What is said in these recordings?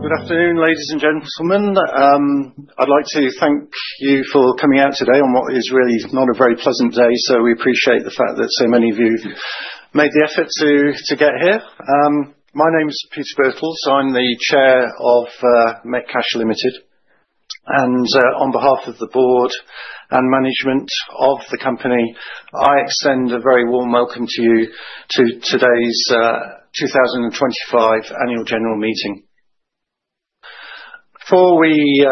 Good afternoon, ladies and gentlemen. I'd like to thank you for coming out today on what is really not a very pleasant day, so we appreciate the fact that so many of you made the effort to get here. My name is Peter Birtles. I'm the Chair of Metcash Limited, and on behalf of the board and management of the company, I extend a very warm welcome to you to today's 2025 Annual General Meeting. Before we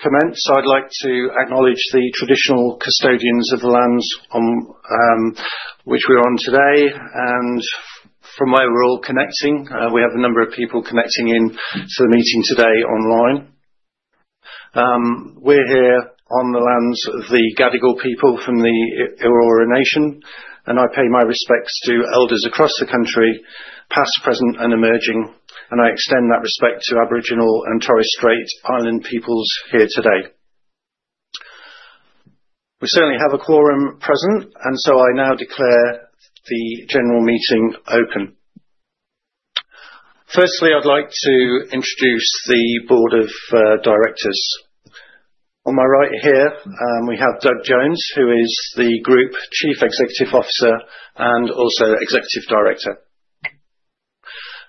commence, I'd like to acknowledge the traditional custodians of the lands on which we're on today, and from where we're all connecting, we have a number of people connecting in to the meeting today online. We're here on the lands of the Gadigal people from the Eora Nation, and I pay my respects to elders across the country, past, present, and emerging, and I extend that respect to Aboriginal and Torres Strait Islander peoples here today. We certainly have a quorum present, and so I now declare the General Meeting open. Firstly, I'd like to introduce the Board of Directors. On my right here, we have Doug Jones, who is the Group Chief Executive Officer and also Executive Director.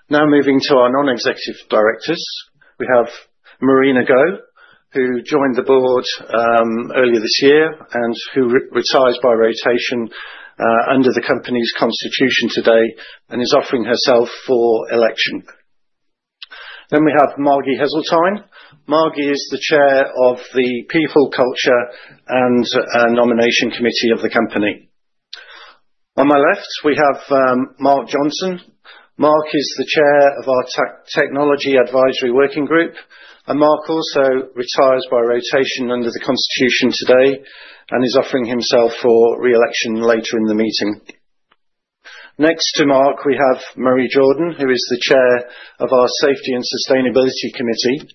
Now moving to our Non-Executive Directors, we have Marina Go, who joined the board earlier this year and who retires by rotation under the company's constitution today and is offering herself for election. Then we have Margie Haseltine. Margie is the Chair of the People, Culture and Nomination Committee of the company. On my left, we have Mark Johnson. Mark is the Chair of our Technology Advisory Working Group, and Mark also retires by rotation under the constitution today and is offering himself for re-election later in the meeting. Next to Mark, we have Murray Jordan, who is the Chair of our Safety and Sustainability Committee.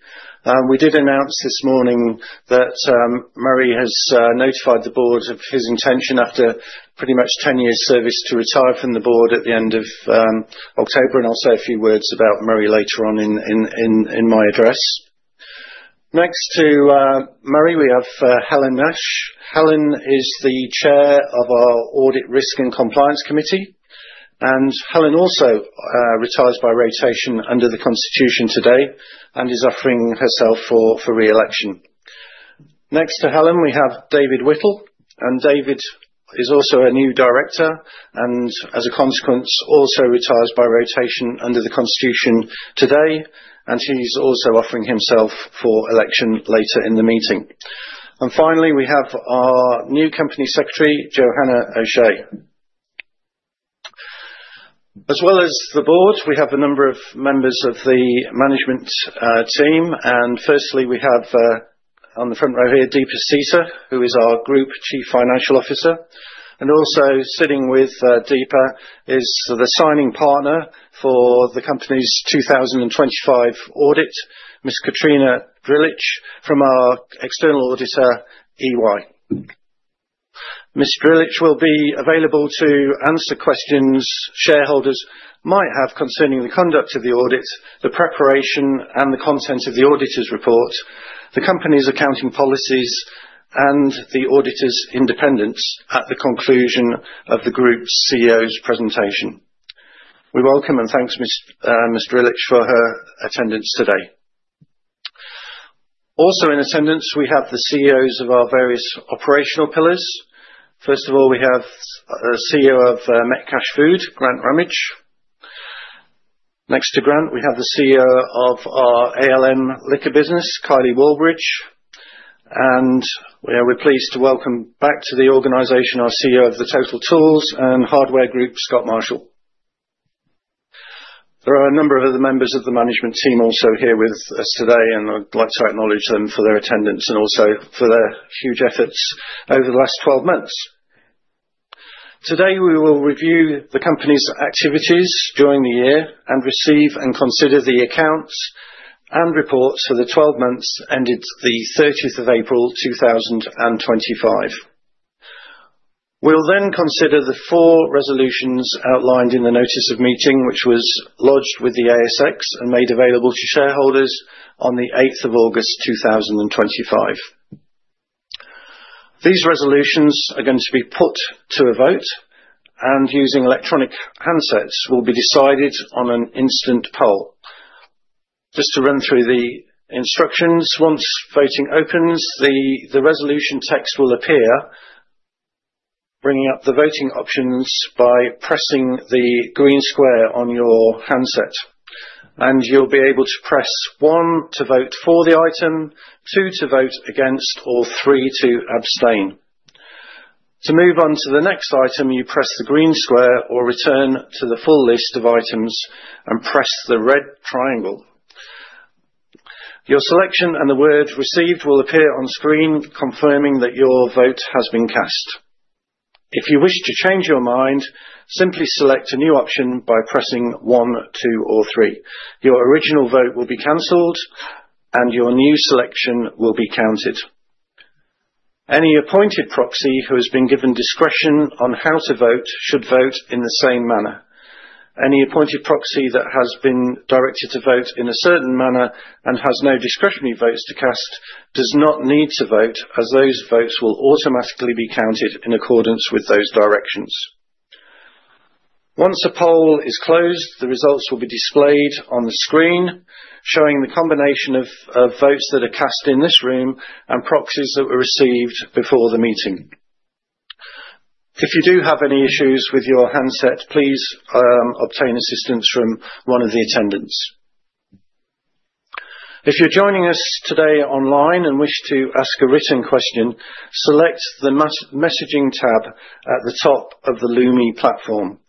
We did announce this morning that Murray has notified the board of his intention after pretty much 10 years' service to retire from the board at the end of October, and I'll say a few words about Murray later on in my address. Next to Murray, we have Helen Nash. Helen is the Chair of our Audit, Risk and Compliance Committee, and Helen also retires by rotation under the constitution today and is offering herself for re-election. Next to Helen, we have David Whittle, and David is also a new director and, as a consequence, also retires by rotation under the constitution today, and he's also offering himself for election later in the meeting. And finally, we have our new company secretary, Joanna Osei. As well as the board, we have a number of members of the management team, and firstly, we have on the front row here, Deepa Sita, who is our Group Chief Financial Officer, and also sitting with Deepa is the signing partner for the company's 2025 audit, Katerina Drilich, from our external auditor, EY. Ms Drilich will be available to answer questions shareholders might have concerning the conduct of the audit, the preparation and the content of the auditor's report, the company's accounting policies, and the auditor's independence at the conclusion of the Group CEO's presentation. We welcome and thank Ms. Drilich for her attendance today. Also in attendance, we have the CEOs of our various operational pillars. First of all, we have the CEO of Metcash Food, Grant Ramage. Next to Grant, we have the CEO of our ALM liquor business, Kylie Wallbridge, and we are pleased to welcome back to the organization our CEO of the Total Tools and Hardware Group, Scott Marshall. There are a number of other members of the management team also here with us today, and I'd like to acknowledge them for their attendance and also for their huge efforts over the last 12 months. Today, we will review the company's activities during the year and receive and consider the accounts and reports for the 12 months ended the 30th of April 2025. We'll then consider the four resolutions outlined in the notice of meeting, which was lodged with the ASX and made available to shareholders on the 8th of August 2025. These resolutions are going to be put to a vote, and using electronic handsets will be decided on an instant poll. Just to run through the instructions, once voting opens, the resolution text will appear, bringing up the voting options by pressing the green square on your handset, and you'll be able to press one to vote for the item, two to vote against, or three to abstain. To move on to the next item, you press the green square or return to the full list of items and press the red triangle. Your selection and the word "Received" will appear on screen, confirming that your vote has been cast. If you wish to change your mind, simply select a new option by pressing one, two, or three. Your original vote will be canceled, and your new selection will be counted. Any appointed proxy who has been given discretion on how to vote should vote in the same manner. Any appointed proxy that has been directed to vote in a certain manner and has no discretionary votes to cast does not need to vote, as those votes will automatically be counted in accordance with those directions. Once the poll is closed, the results will be displayed on the screen, showing the combination of votes that are cast in this room and proxies that were received before the meeting. If you do have any issues with your handset, please obtain assistance from one of the attendants. If you're joining us today online and wish to ask a written question, select the messaging tab at the top of the Lumi platform.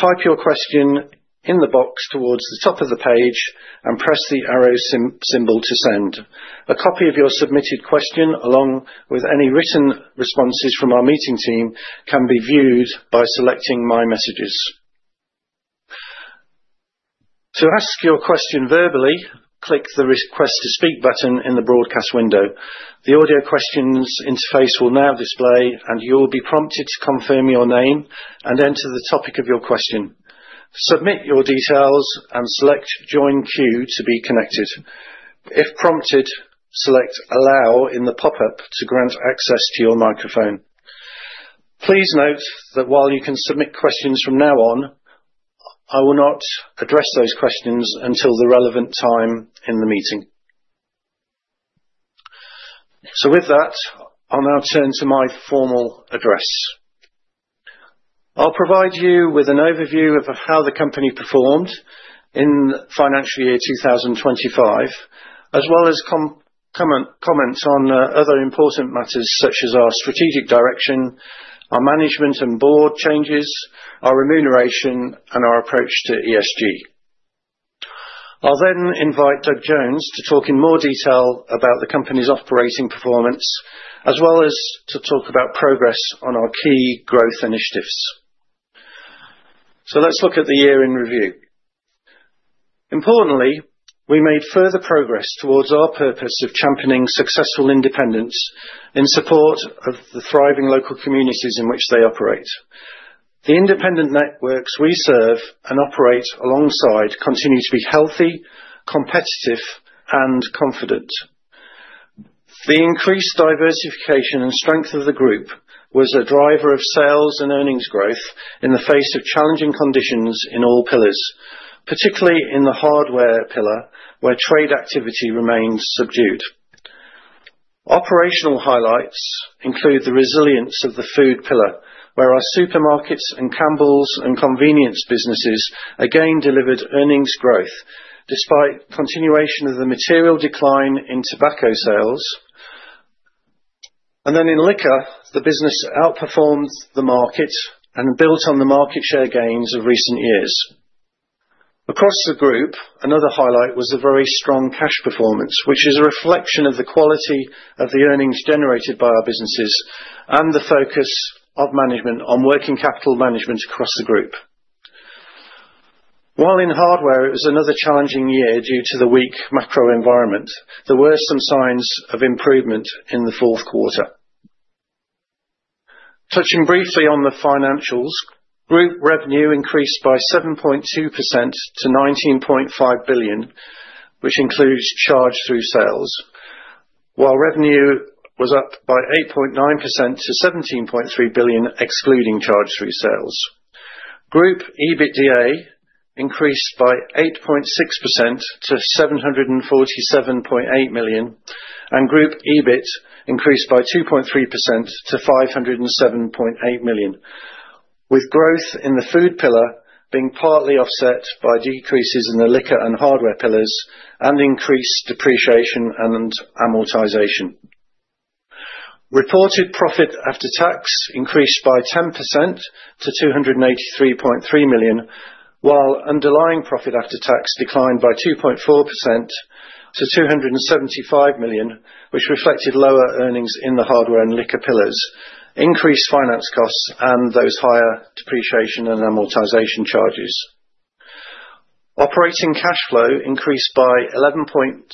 Type your question in the box towards the top of the page and press the arrow symbol to send. A copy of your submitted question, along with any written responses from our meeting team, can be viewed by selecting "My Messages." To ask your question verbally, click the "Request to Speak" button in the broadcast window. The audio questions interface will now display, and you'll be prompted to confirm your name and enter the topic of your question. Submit your details and select "Join Queue" to be connected. If prompted, select "Allow" in the pop-up to grant access to your microphone. Please note that while you can submit questions from now on, I will not address those questions until the relevant time in the meeting. So with that, I'll now turn to my formal address. I'll provide you with an overview of how the company performed in financial year 2025, as well as comments on other important matters such as our strategic direction, our management and board changes, our remuneration, and our approach to ESG. I'll then invite Doug Jones to talk in more detail about the company's operating performance, as well as to talk about progress on our key growth initiatives. So let's look at the year in review. Importantly, we made further progress towards our purpose of championing successful independence in support of the thriving local communities in which they operate. The independent networks we serve and operate alongside continue to be healthy, competitive, and confident. The increased diversification and strength of the group was a driver of sales and earnings growth in the face of challenging conditions in all pillars, particularly in the hardware pillar where trade activity remained subdued. Operational highlights include the resilience of the food pillar, where our supermarkets and Campbells and convenience businesses again delivered earnings growth despite continuation of the material decline in tobacco sales, and then in liquor, the business outperformed the market and built on the market share gains of recent years. Across the group, another highlight was the very strong cash performance, which is a reflection of the quality of the earnings generated by our businesses and the focus of management on working capital management across the group. While in hardware, it was another challenging year due to the weak macro environment. There were some signs of improvement in the fourth quarter. Touching briefly on the financials, group revenue increased by 7.2% to 19.5 billion, which includes charge-through sales, while revenue was up by 8.9% to 17.3 billion excluding charge-through sales. Group EBITDA increased by 8.6% to 747.8 million, and group EBIT increased by 2.3% to 507.8 million, with growth in the food pillar being partly offset by decreases in the liquor and hardware pillars and increased depreciation and amortization. Reported profit after tax increased by 10% to 283.3 million, while underlying profit after tax declined by 2.4% to 275 million, which reflected lower earnings in the hardware and liquor pillars, increased finance costs, and those higher depreciation and amortization charges. Operating cash flow increased by 11.7%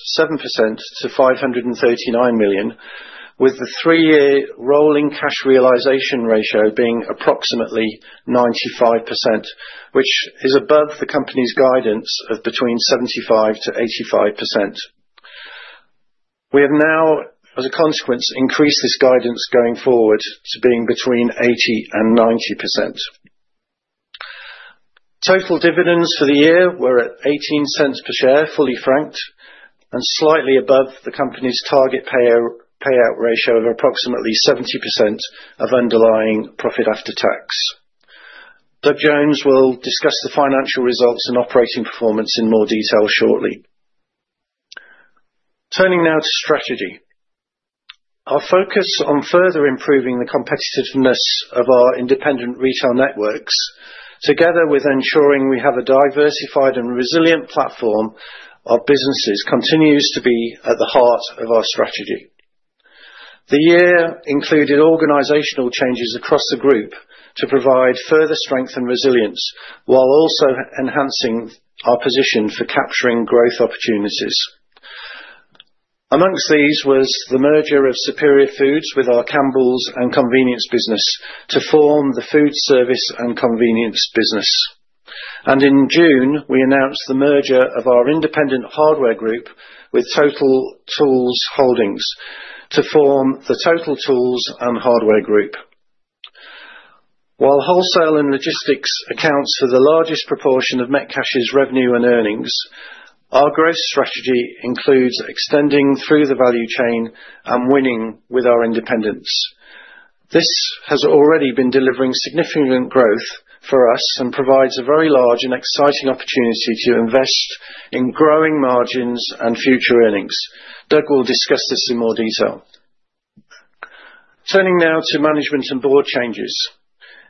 to 539 million, with the three-year rolling cash realization ratio being approximately 95%, which is above the company's guidance of between 75%-85%. We have now, as a consequence, increased this guidance going forward to being between 80% and 90%. Total dividends for the year were at 0.18 per share, fully franked, and slightly above the company's target payout ratio of approximately 70% of underlying profit after tax. Doug Jones will discuss the financial results and operating performance in more detail shortly. Turning now to strategy, our focus on further improving the competitiveness of our independent retail networks, together with ensuring we have a diversified and resilient platform of businesses, continues to be at the heart of our strategy. The year included organizational changes across the group to provide further strength and resilience, while also enhancing our position for capturing growth opportunities. Amongst these was the merger of Superior Foods with our Campbells and convenience business to form the Foodservice and Convenience business. And in June, we announced the merger of our Independent Hardware Group with Total Tools to form the Total Tools and Hardware Group. While wholesale and logistics accounts for the largest proportion of Metcash's revenue and earnings, our growth strategy includes extending through the value chain and winning with our independents. This has already been delivering significant growth for us and provides a very large and exciting opportunity to invest in growing margins and future earnings. Doug will discuss this in more detail. Turning now to management and board changes.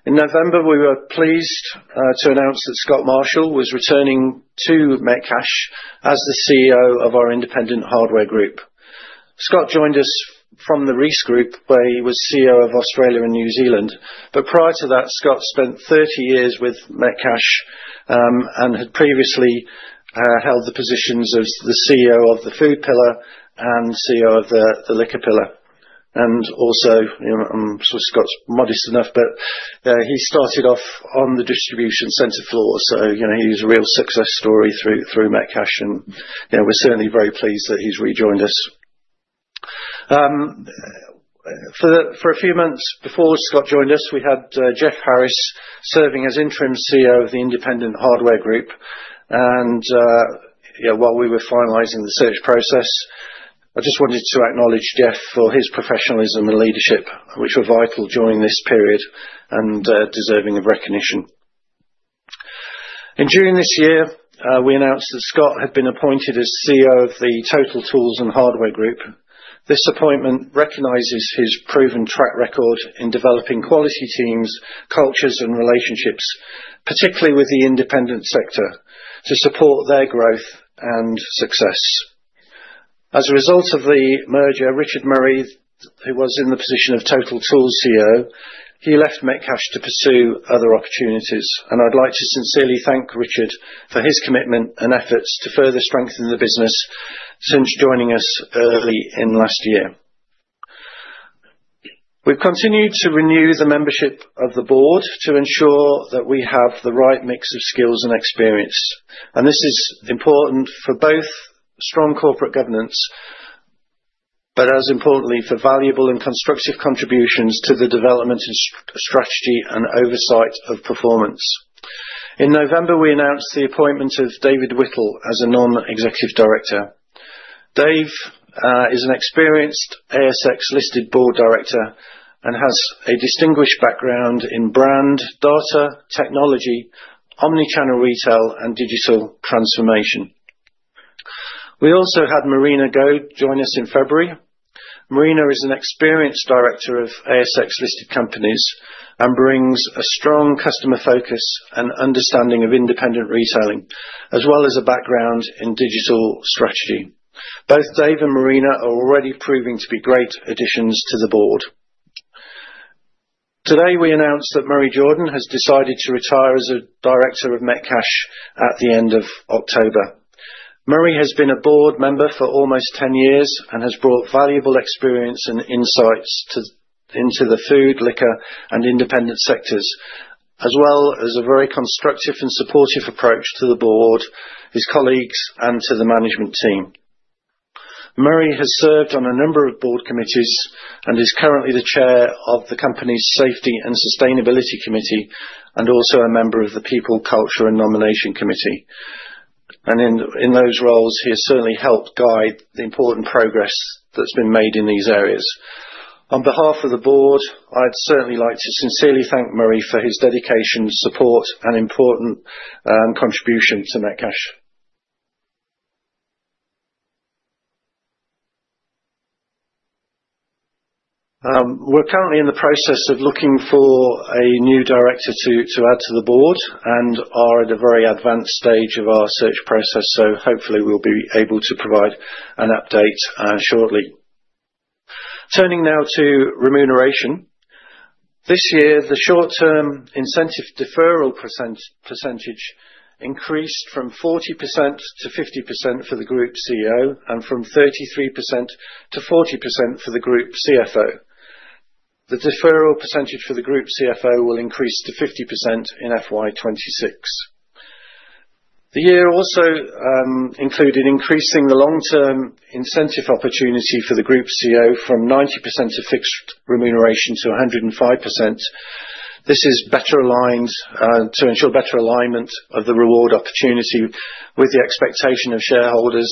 In November, we were pleased to announce that Scott Marshall was returning to Metcash as the CEO of our Independent Hardware Group. Scott joined us from the Reece Group, where he was CEO of Australia and New Zealand, but prior to that, Scott spent 30 years with Metcash and had previously held the positions of the CEO of the food pillar and CEO of the liquor pillar. Also, I'm sure Scott's modest enough, but he started off on the distribution center floor, so he was a real success story through Metcash, and we're certainly very pleased that he's rejoined us. For a few months before Scott joined us, we had Geoff Harris serving as Interim CEO of the Independent Hardware Group. While we were finalizing the search process, I just wanted to acknowledge Geoff for his professionalism and leadership, which were vital during this period and deserving of recognition. In June this year, we announced that Scott had been appointed as CEO of the Total Tools and Hardware Group. This appointment recognizes his proven track record in developing quality teams, cultures, and relationships, particularly with the independent sector, to support their growth and success. As a result of the merger, Richard Murray, who was in the position of Total Tools CEO, he left Metcash to pursue other opportunities, and I'd like to sincerely thank Richard for his commitment and efforts to further strengthen the business since joining us early in last year. We've continued to renew the membership of the board to ensure that we have the right mix of skills and experience, and this is important for both strong corporate governance, but as importantly for valuable and constructive contributions to the development of strategy and oversight of performance. In November, we announced the appointment of David Whittle as a non-executive director. Dave is an experienced ASX-listed board director and has a distinguished background in brand, data, technology, omnichannel retail, and digital transformation. We also had Marina Go join us in February. Marina is an experienced director of ASX-listed companies and brings a strong customer focus and understanding of independent retailing, as well as a background in digital strategy. Both Dave and Marina are already proving to be great additions to the board. Today, we announced that Murray Jordan has decided to retire as a director of Metcash at the end of October. Murray has been a board member for almost 10 years and has brought valuable experience and insights into the food, liquor, and independent sectors, as well as a very constructive and supportive approach to the board, his colleagues, and to the management team. Murray has served on a number of board committees and is currently the chair of the company's Safety and Sustainability Committee and also a member of the People, Culture, and Nomination Committee. And in those roles, he has certainly helped guide the important progress that's been made in these areas. On behalf of the board, I'd certainly like to sincerely thank Murray for his dedication, support, and important contribution to Metcash. We're currently in the process of looking for a new director to add to the board and are at a very advanced stage of our search process, so hopefully we'll be able to provide an update shortly. Turning now to remuneration. This year, the short-term incentive deferral percentage increased from 40%-50% for the Group CEO and from 33%-40% for the Group CFO. The deferral percentage for the Group CFO will increase to 50% in FY 26. The year also included increasing the long-term incentive opportunity for the Group CEO from 90% of fixed remuneration to 105%. This is better aligned to ensure better alignment of the reward opportunity with the expectation of shareholders.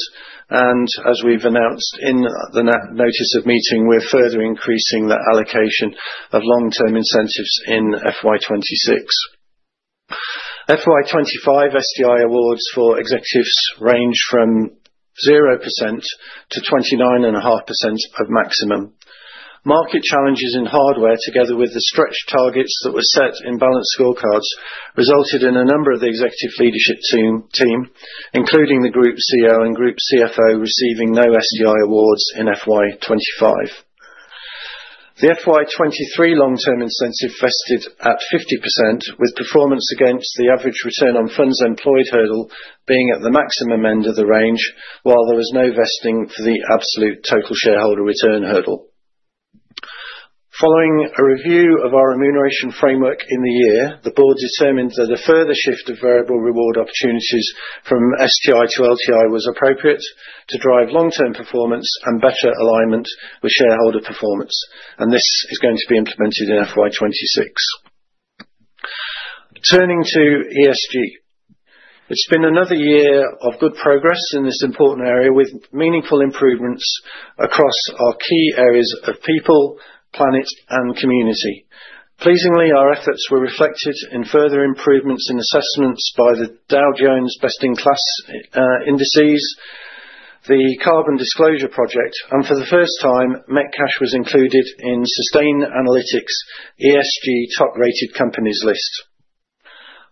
And as we've announced in the notice of meeting, we're further increasing the allocation of long-term incentives in FY 26. FY 25 STI awards for executives range from 0% to 29.5% of maximum. Market challenges in hardware, together with the stretch targets that were set in balanced scorecards, resulted in a number of the executive leadership team, including the Group CEO and Group CFO, receiving no STI awards in FY 25. The FY 23 long-term incentive vested at 50%, with performance against the average return on funds employed hurdle being at the maximum end of the range, while there was no vesting for the absolute total shareholder return hurdle. Following a review of our remuneration framework in the year, the board determined that a further shift of variable reward opportunities from STI to LTI was appropriate to drive long-term performance and better alignment with shareholder performance and this is going to be implemented in FY 26. Turning to ESG. It's been another year of good progress in this important area with meaningful improvements across our key areas of people, planet, and community. Pleasingly, our efforts were reflected in further improvements in assessments by the Dow Jones Sustainability Indices, the Carbon Disclosure Project, and for the first time, Metcash was included in Sustainalytics' ESG top-rated companies list.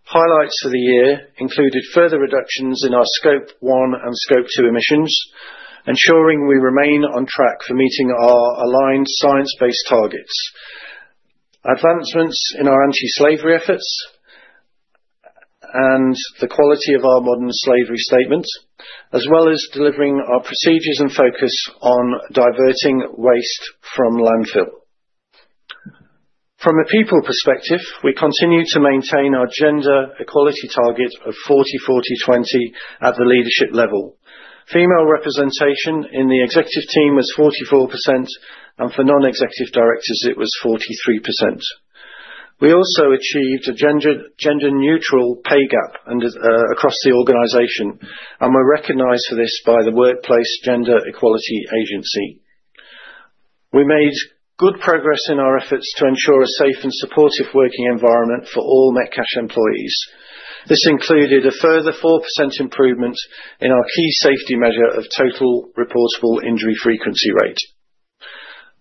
Highlights for the year included further reductions in our Scope 1 and Scope 2 emissions, ensuring we remain on track for meeting our aligned science-based targets, advancements in our anti-slavery efforts, and the quality of our modern slavery statement, as well as delivering our procedures and focus on diverting waste from landfill. From a people perspective, we continue to maintain our gender equality target of 40-40-20 at the leadership level. Female representation in the executive team was 44%, and for non-executive directors, it was 43%. We also achieved a gender-neutral pay gap across the organization, and we're recognized for this by the Workplace Gender Equality Agency. We made good progress in our efforts to ensure a safe and supportive working environment for all Metcash employees. This included a further 4% improvement in our key safety measure of total recordable injury frequency rate.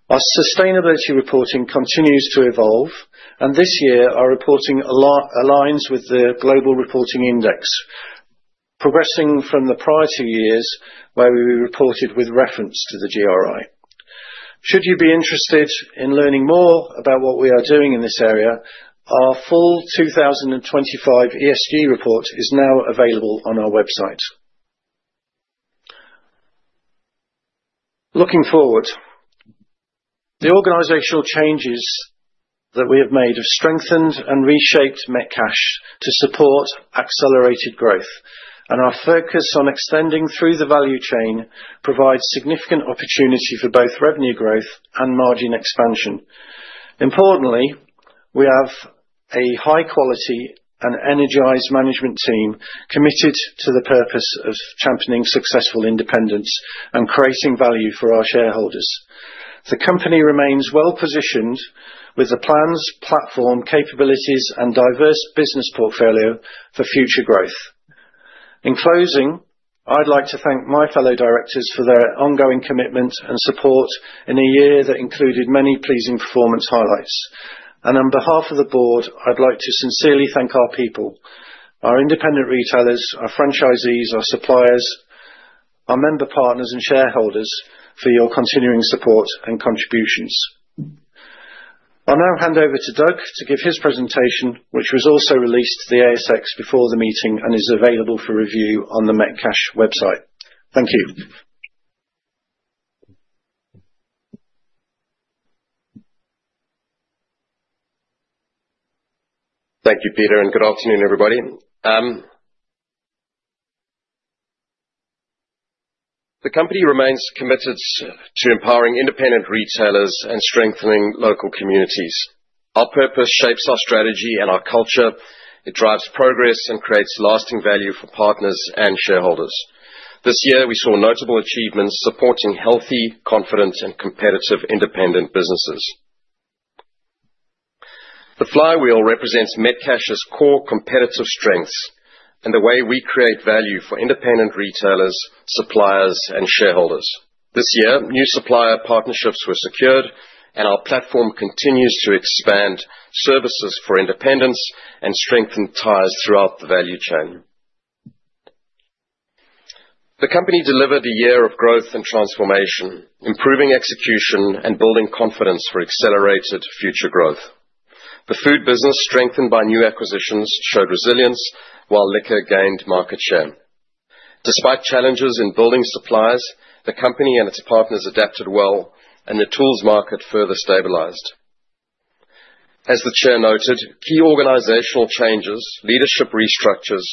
Our sustainability reporting continues to evolve, and this year, our reporting aligns with the Global Reporting Initiative, progressing from the prior two years where we reported with reference to the GRI. Should you be interested in learning more about what we are doing in this area, our full 2025 ESG report is now available on our website. Looking forward, the organizational changes that we have made have strengthened and reshaped Metcash to support accelerated growth, and our focus on extending through the value chain provides significant opportunity for both revenue growth and margin expansion. Importantly, we have a high-quality and energized management team committed to the purpose of championing successful independence and creating value for our shareholders. The company remains well-positioned with the plans, platform, capabilities, and diverse business portfolio for future growth. In closing, I'd like to thank my fellow directors for their ongoing commitment and support in a year that included many pleasing performance highlights, and on behalf of the board, I'd like to sincerely thank our people, our independent retailers, our franchisees, our suppliers, our member partners, and shareholders for your continuing support and contributions. I'll now hand over to Doug to give his presentation, which was also released to the ASX before the meeting and is available for review on the Metcash website. Thank you. Thank you, Peter, and good afternoon, everybody. The company remains committed to empowering independent retailers and strengthening local communities. Our purpose shapes our strategy and our culture. It drives progress and creates lasting value for partners and shareholders. This year, we saw notable achievements supporting healthy, confident, and competitive independent businesses. The flywheel represents Metcash's core competitive strengths and the way we create value for independent retailers, suppliers, and shareholders. This year, new supplier partnerships were secured, and our platform continues to expand services for independents and strengthen ties throughout the value chain. The company delivered a year of growth and transformation, improving execution and building confidence for accelerated future growth. The food business, strengthened by new acquisitions, showed resilience while liquor gained market share. Despite challenges in building supplies, the company and its partners adapted well, and the tools market further stabilized. As the chair noted, key organizational changes, leadership restructures,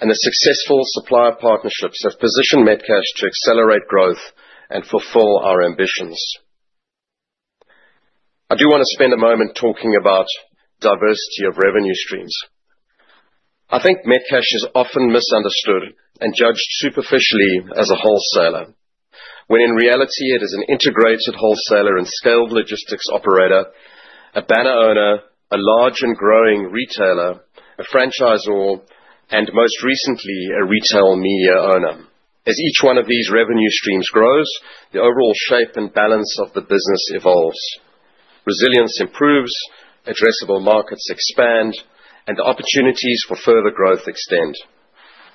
and the successful supplier partnerships have positioned Metcash to accelerate growth and fulfill our ambitions. I do want to spend a moment talking about diversity of revenue streams. I think Metcash is often misunderstood and judged superficially as a wholesaler, when in reality, it is an integrated wholesaler and scaled logistics operator, a banner owner, a large and growing retailer, a franchisor, and most recently, a retail media owner. As each one of these revenue streams grows, the overall shape and balance of the business evolves. Resilience improves, addressable markets expand, and opportunities for further growth extend.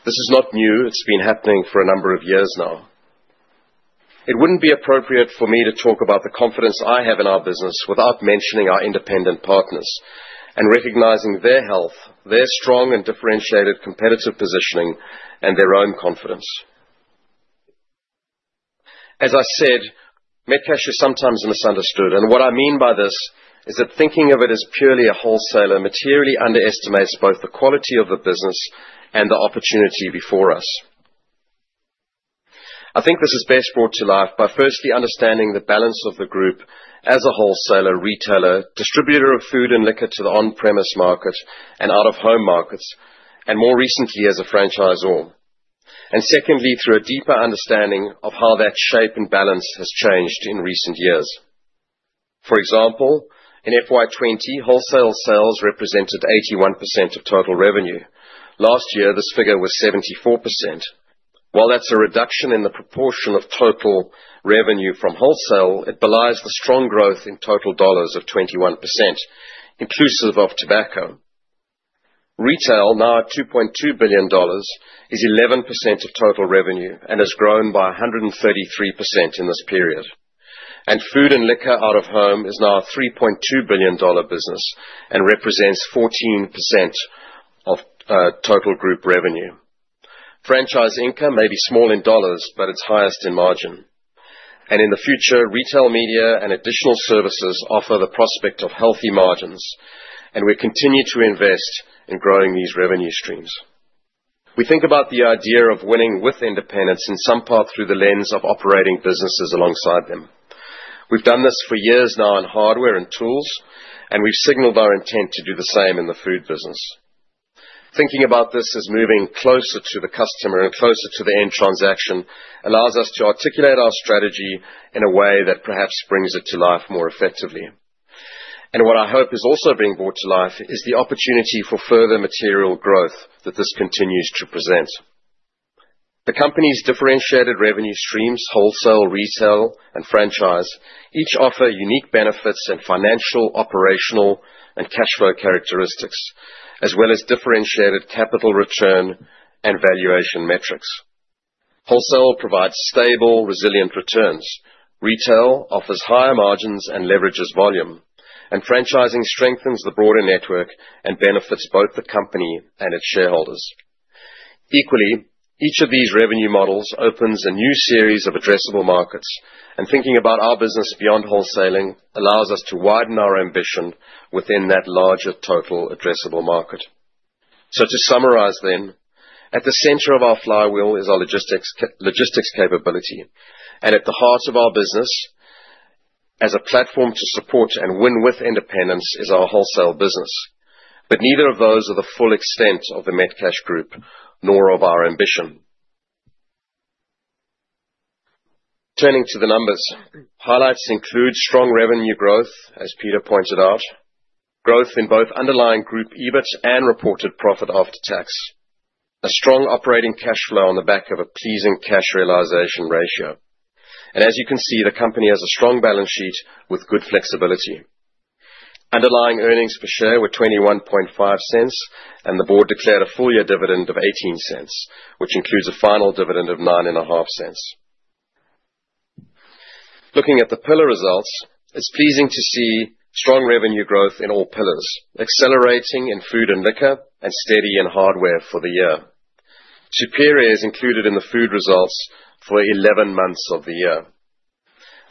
This is not new. It's been happening for a number of years now. It wouldn't be appropriate for me to talk about the confidence I have in our business without mentioning our independent partners and recognizing their health, their strong and differentiated competitive positioning, and their own confidence. As I said, Metcash is sometimes misunderstood, and what I mean by this is that thinking of it as purely a wholesaler materially underestimates both the quality of the business and the opportunity before us. I think this is best brought to life by firstly understanding the balance of the group as a wholesaler, retailer, distributor of food and liquor to the on-premise market and out-of-home markets, and more recently, as a franchisor, and secondly, through a deeper understanding of how that shape and balance has changed in recent years. For example, in FY 20, wholesale sales represented 81% of total revenue. Last year, this figure was 74%. While that's a reduction in the proportion of total revenue from wholesale, it belies the strong growth in total dollars of 21%, inclusive of tobacco. Retail, now at 2.2 billion dollars, is 11% of total revenue and has grown by 133% in this period. Food and liquor out-of-home is now a 3.2 billion dollar business and represents 14% of total group revenue. Franchise income may be small in dollars, but it's highest in margin. In the future, retail media and additional services offer the prospect of healthy margins, and we continue to invest in growing these revenue streams. We think about the idea of winning with independence in some part through the lens of operating businesses alongside them. We've done this for years now in hardware and tools, and we've signalled our intent to do the same in the food business. Thinking about this as moving closer to the customer and closer to the end transaction allows us to articulate our strategy in a way that perhaps brings it to life more effectively. What I hope is also being brought to life is the opportunity for further material growth that this continues to present. The company's differentiated revenue streams, wholesale, retail, and franchise, each offer unique benefits and financial, operational, and cash flow characteristics, as well as differentiated capital return and valuation metrics. Wholesale provides stable, resilient returns. Retail offers higher margins and leverages volume. And franchising strengthens the broader network and benefits both the company and its shareholders. Equally, each of these revenue models opens a new series of addressable markets, and thinking about our business beyond wholesaling allows us to widen our ambition within that larger total addressable market. To summarise then, at the center of our flywheel is our logistics capability, and at the heart of our business, as a platform to support and win with independence, is our wholesale business. But neither of those are the full extent of the Metcash Group, nor of our ambition. Turning to the numbers, highlights include strong revenue growth, as Peter pointed out, growth in both underlying group EBIT and reported profit after tax, a strong operating cash flow on the back of a pleasing cash realization ratio. And as you can see, the company has a strong balance sheet with good flexibility. Underlying earnings per share were 0.215, and the board declared a full year dividend of 0.18, which includes a final dividend of 0.095. Looking at the pillar results, it's pleasing to see strong revenue growth in all pillars, accelerating in food and liquor and steady in hardware for the year. Superior is included in the food results for 11 months of the year.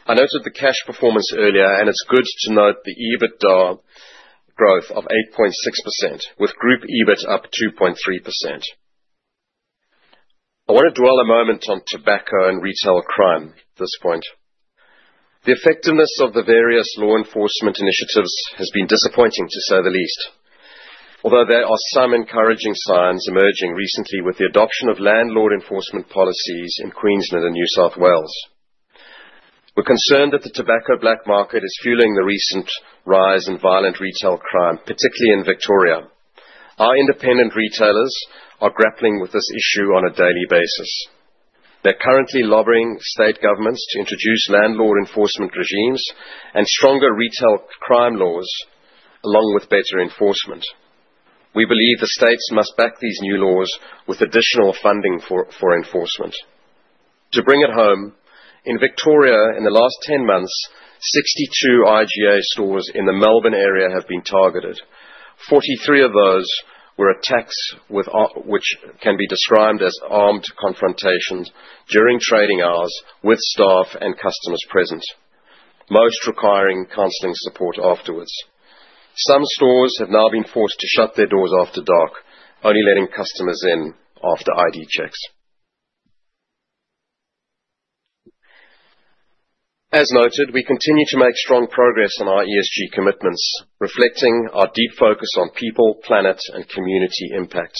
I noted the cash performance earlier, and it's good to note the EBITDA growth of 8.6%, with group EBIT up 2.3%. I want to dwell a moment on tobacco and retail crime at this point. The effectiveness of the various law enforcement initiatives has been disappointing, to say the least, although there are some encouraging signs emerging recently with the adoption of landlord enforcement policies in Queensland and New South Wales. We're concerned that the tobacco black market is fueling the recent rise in violent retail crime, particularly in Victoria. Our independent retailers are grappling with this issue on a daily basis. They're currently lobbying state governments to introduce landlord enforcement regimes and stronger retail crime laws, along with better enforcement. We believe the states must back these new laws with additional funding for enforcement. To bring it home, in Victoria, in the last 10 months, 62 IGA stores in the Melbourne area have been targeted. 43 of those were attacks which can be described as armed confrontations during trading hours with staff and customers present, most requiring counseling support afterwards. Some stores have now been forced to shut their doors after dark, only letting customers in after ID checks. As noted, we continue to make strong progress on our ESG commitments, reflecting our deep focus on people, planet, and community impact,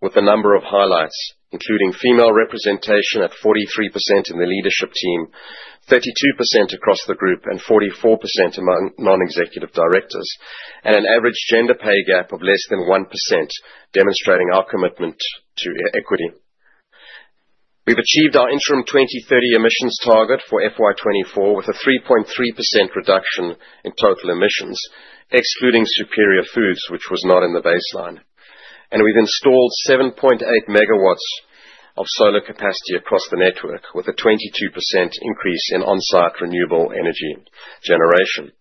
with a number of highlights, including female representation at 43% in the leadership team, 32% across the group, and 44% among non-executive directors, and an average gender pay gap of less than 1%, demonstrating our commitment to equity. We've achieved our interim 2030 emissions target for FY 24 with a 3.3% reduction in total emissions, excluding Superior Foods, which was not in the baseline. We've installed 7.8 megawatts of solar capacity across the network, with a 22% increase in on-site renewable energy generation.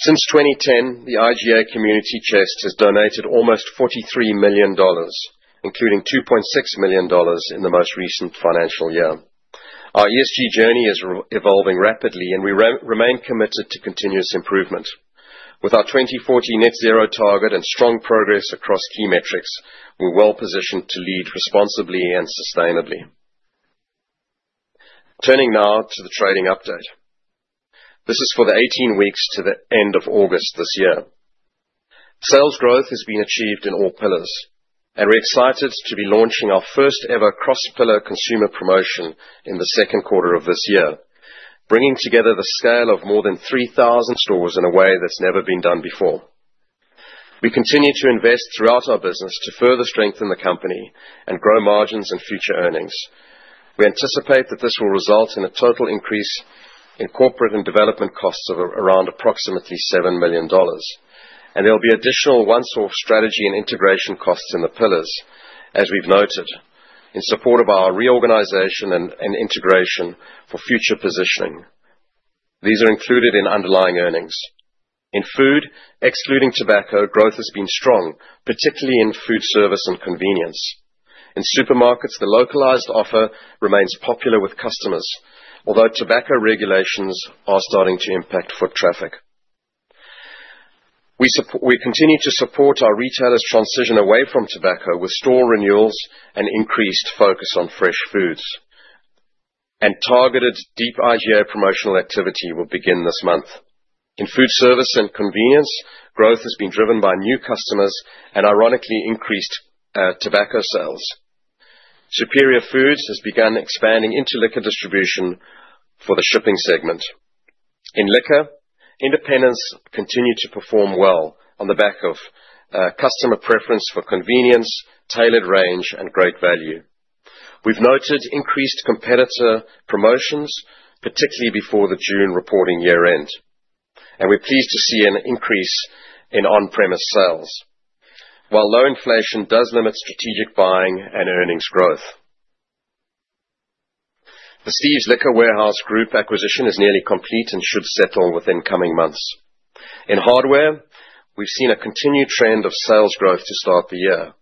Since 2010, the IGA Community Chest has donated almost 43 million dollars, including 2.6 million dollars in the most recent financial year. Our ESG journey is evolving rapidly, and we remain committed to continuous improvement. With our 2040 net zero target and strong progress across key metrics, we're well positioned to lead responsibly and sustainably. Turning now to the trading update. This is for the 18 weeks to the end of August this year. Sales growth has been achieved in all pillars, and we're excited to be launching our first-ever cross-pillar consumer promotion in the second quarter of this year, bringing together the scale of more than 3,000 stores in a way that's never been done before. We continue to invest throughout our business to further strengthen the company and grow margins and future earnings. We anticipate that this will result in a total increase in corporate and development costs of around approximately 7 million dollars, and there will be additional one-store strategy and integration costs in the pillars, as we've noted, in support of our reorganization and integration for future positioning. These are included in underlying earnings. In food, excluding tobacco, growth has been strong, particularly in foodservice and convenience. In supermarkets, the localized offer remains popular with customers, although tobacco regulations are starting to impact foot traffic. We continue to support our retailers' transition away from tobacco with store renewals and increased focus on fresh foods, and targeted deep IGA promotional activity will begin this month. In foodservice and convenience, growth has been driven by new customers and, ironically, increased tobacco sales. Superior Foods has begun expanding into liquor distribution for the foodservice segment. In liquor, independents continue to perform well on the back of customer preference for convenience, tailored range, and great value. We've noted increased competitor promotions, particularly before the June reporting year-end, and we're pleased to see an increase in on-premise sales, while low inflation does limit strategic buying and earnings growth. The Steve's Liquor acquisition is nearly complete and should settle within coming months. In hardware, we've seen a continued trend of sales growth to start the year.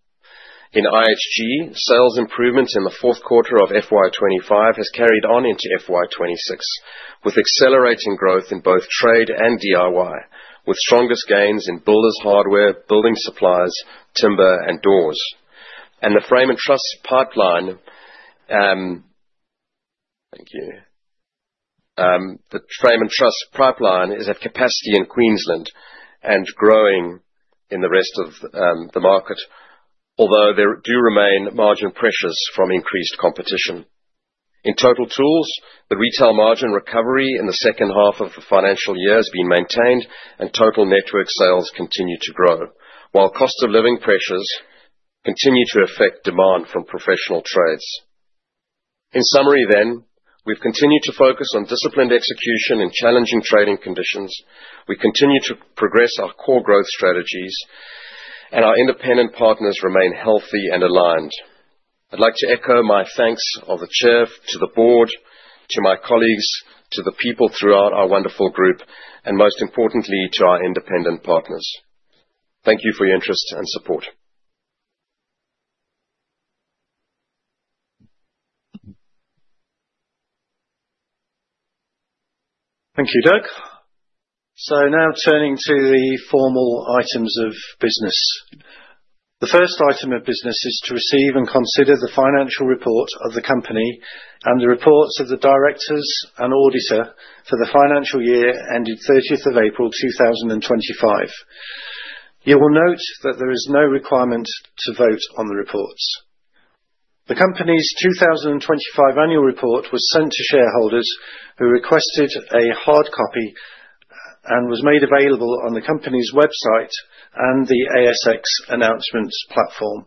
In IHG, sales improvement in the fourth quarter of FY 25 has carried on into FY 26, with accelerating growth in both trade and DIY, with strongest gains in builders' hardware, building supplies, timber, and doors. And the frame and truss pipeline, thank you. The frame and truss pipeline is at capacity in Queensland and growing in the rest of the market, although there do remain margin pressures from increased competition. In Total Tools, the retail margin recovery in the second half of the financial year has been maintained, and total network sales continue to grow, while cost of living pressures continue to affect demand from professional trades. In summary then, we've continued to focus on disciplined execution in challenging trading conditions. We continue to progress our core growth strategies, and our independent partners remain healthy and aligned. I'd like to echo my thanks of the chair, to the board, to my colleagues, to the people throughout our wonderful group, and most importantly, to our independent partners. Thank you for your interest and support. Thank you, Doug. So now turning to the formal items of business. The first item of business is to receive and consider the financial report of the company and the reports of the directors and auditor for the financial year ending 30th of April 2025. You will note that there is no requirement to vote on the reports. The company's 2025 annual report was sent to shareholders who requested a hard copy and was made available on the company's website and the ASX announcements platform.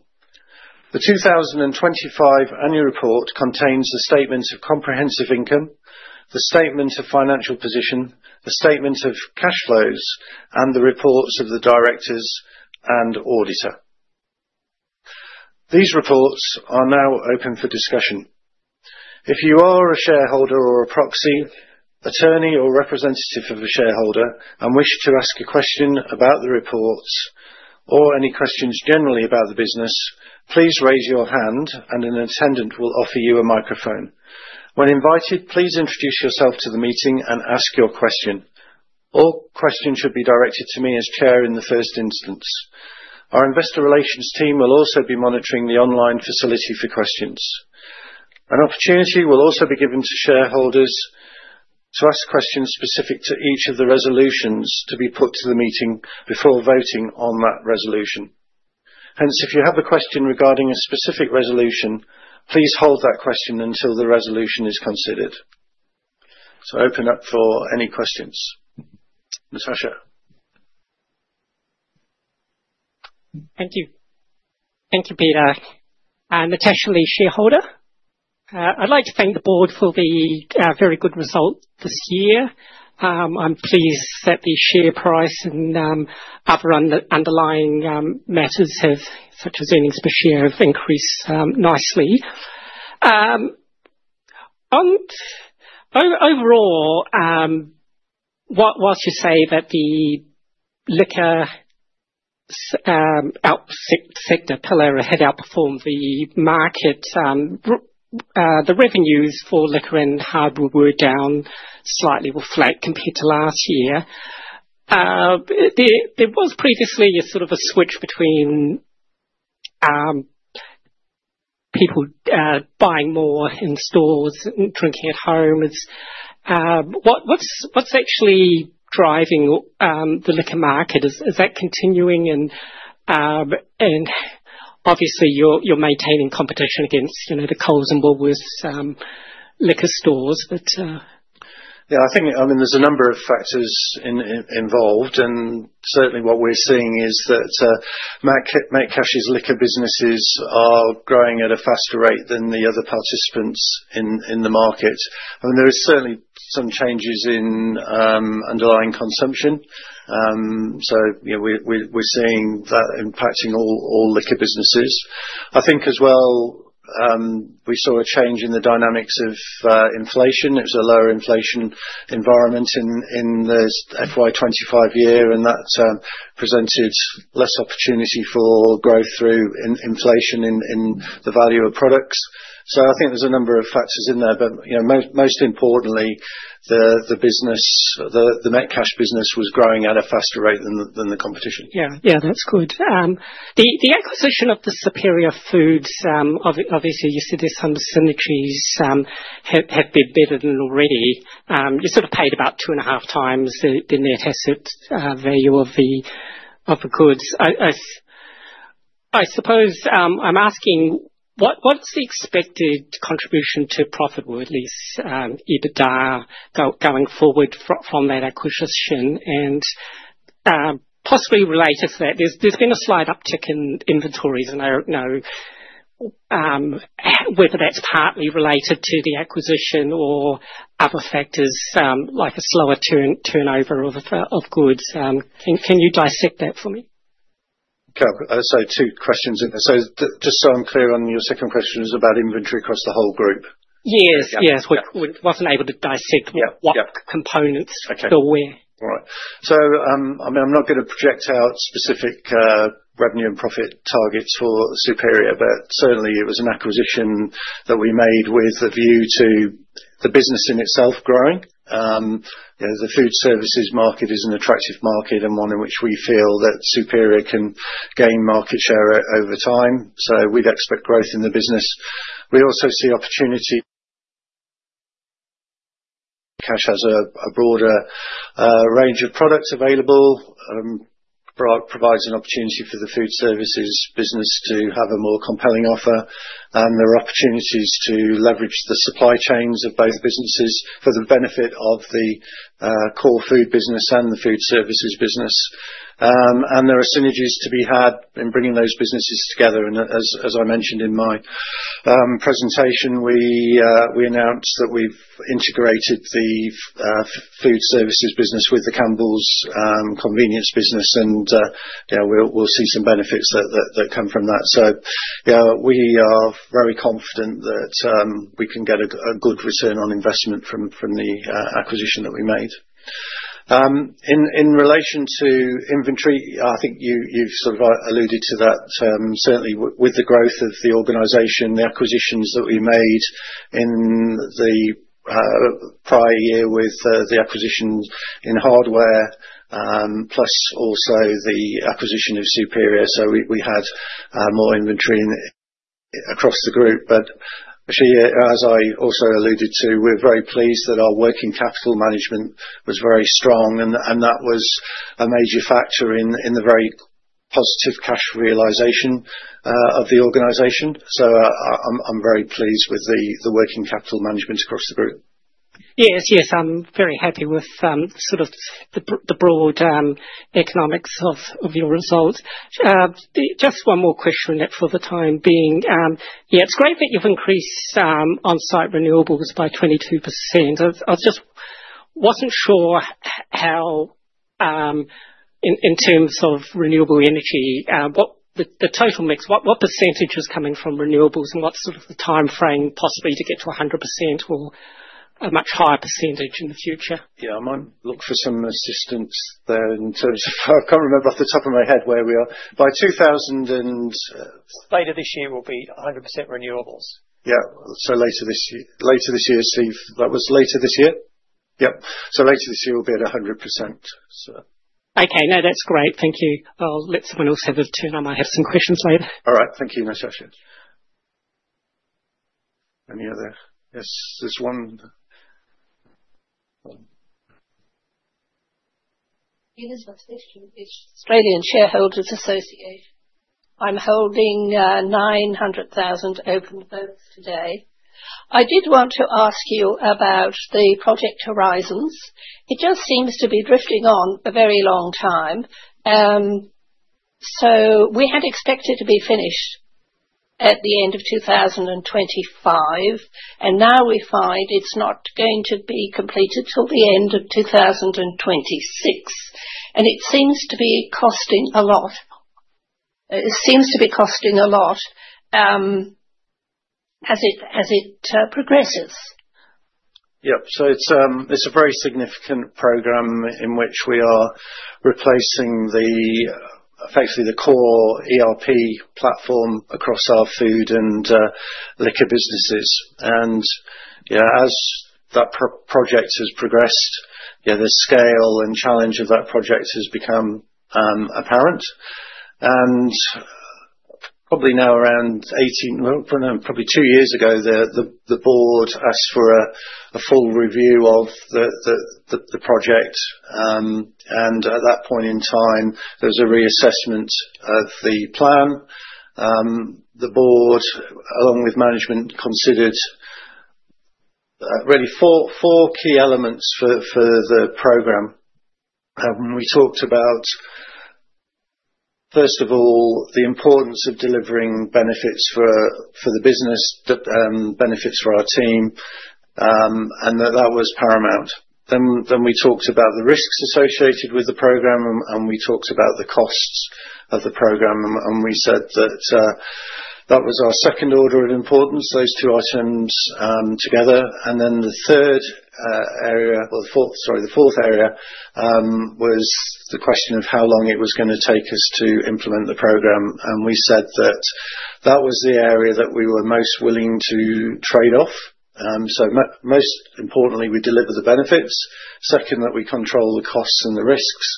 The 2025 annual report contains the statement of comprehensive income, the statement of financial position, the statement of cash flows, and the reports of the directors and auditor. These reports are now open for discussion. If you are a shareholder or a proxy, attorney, or representative of a shareholder, and wish to ask a question about the reports or any questions generally about the business, please raise your hand, and an attendant will offer you a microphone. When invited, please introduce yourself to the meeting and ask your question. All questions should be directed to me as Chair in the first instance. Our investor relations team will also be monitoring the online facility for questions. An opportunity will also be given to shareholders to ask questions specific to each of the resolutions to be put to the meeting before voting on that resolution. Hence, if you have a question regarding a specific resolution, please hold that question until the resolution is considered. So open up for any questions. Natasha. Thank you. Thank you, Peter. Natasha, the shareholder. I'd like to thank the board for the very good result this year. I'm pleased that the share price and other underlying matters, such as earnings per share, have increased nicely. Overall, while you say that the liquor sector pillar had outperformed the market, the revenues for liquor and hardware were down slightly compared to last year. There was previously a sort of a switch between people buying more in stores and drinking at home. What's actually driving the liquor market? Is that continuing? And obviously, you're maintaining competition against the Coles and Woolworths liquor stores, but? Yeah, I think, I mean, there's a number of factors involved, and certainly what we're seeing is that Metcash's liquor businesses are growing at a faster rate than the other participants in the market. I mean, there are certainly some changes in underlying consumption. So we're seeing that impacting all liquor businesses. I think as well, we saw a change in the dynamics of inflation. It was a lower inflation environment in the FY 25 year, and that presented less opportunity for growth through inflation in the value of products. So I think there's a number of factors in there, but most importantly, the Metcash business was growing at a faster rate than the competition. Yeah, yeah, that's good. The acquisition of the Superior Foods, obviously, you see this under synergies have been better than already. You're sort of paid about two and a half times the net asset value of the goods. I suppose I'm asking what's the expected contribution to profit or at least EBITDA going forward from that acquisition? And possibly related to that, there's been a slight uptick in inventories, and I don't know whether that's partly related to the acquisition or other factors like a slower turnover of goods. Can you dissect that for me? Okay. So two questions in there. So just so I'm clear on your second question is about inventory across the whole group? Yes, yes. I wasn't able to dissect what components for where. All right. So I mean, I'm not going to project out specific revenue and profit targets for Superior, but certainly it was an acquisition that we made with a view to the business in itself growing. The foodservices market is an attractive market and one in which we feel that Superior can gain market share over time. So we'd expect growth in the business. We also see opportunity as a broader range of products available, provides an opportunity for the foodservices business to have a more compelling offer, and there are opportunities to leverage the supply chains of both businesses for the benefit of the core food business and the foodservices business. There are synergies to be had in bringing those businesses together. As I mentioned in my presentation, we announced that we've integrated the foodservices business with the Campbells convenience business, and we'll see some benefits that come from that. We are very confident that we can get a good return on investment from the acquisition that we made. In relation to inventory, I think you've sort of alluded to that. Certainly, with the growth of the organization, the acquisitions that we made in the prior year with the acquisition in hardware, plus also the acquisition of Superior. We had more inventory across the group. Actually, as I also alluded to, we're very pleased that our working capital management was very strong, and that was a major factor in the very positive cash realization of the organization. So I'm very pleased with the working capital management across the group. Yes, yes. I'm very happy with sort of the broad economics of your result. Just one more question for the time being. Yeah, it's great that you've increased on-site renewables by 22%. I just wasn't sure how, in terms of renewable energy, the total mix, what percentage is coming from renewables and what's sort of the timeframe possibly to get to 100% or a much higher percentage in the future? Yeah, I might look for some assistance there in terms of I can't remember off the top of my head where we are. Later this year will be 100% renewables. Yeah, so later this year. Later this year, Steve. That was later this year. Yep. So later this year will be at 100%, so. Okay. No, that's great. Thank you. I'll let someone else have a turn. I might have some questions later. All right. Thank you, Natasha. Any other? Yes, there's one. This is a question from the Australian Shareholders' Association. I'm holding 900,000 open books today. I did want to ask you about the Project Horizon. It just seems to be drifting on a very long time. So we had expected to be finished at the end of 2025, and now we find it's not going to be completed till the end of 2026. And it seems to be costing a lot. It seems to be costing a lot as it progresses. Yep. So it's a very significant program in which we are replacing effectively the core ERP platform across our food and liquor businesses. And yeah, as that project has progressed, yeah, the scale and challenge of that project has become apparent. Probably now around 18, probably two years ago, the board asked for a full review of the project. At that point in time, there was a reassessment of the plan. The board, along with management, considered really four key elements for the program. We talked about, first of all, the importance of delivering benefits for the business, benefits for our team, and that that was paramount. Then we talked about the risks associated with the program, and we talked about the costs of the program. We said that that was our second order of importance, those two items together. Then the third area, or the fourth, sorry, the fourth area was the question of how long it was going to take us to implement the program. We said that that was the area that we were most willing to trade off. So most importantly, we deliver the benefits. Second, that we control the costs and the risks.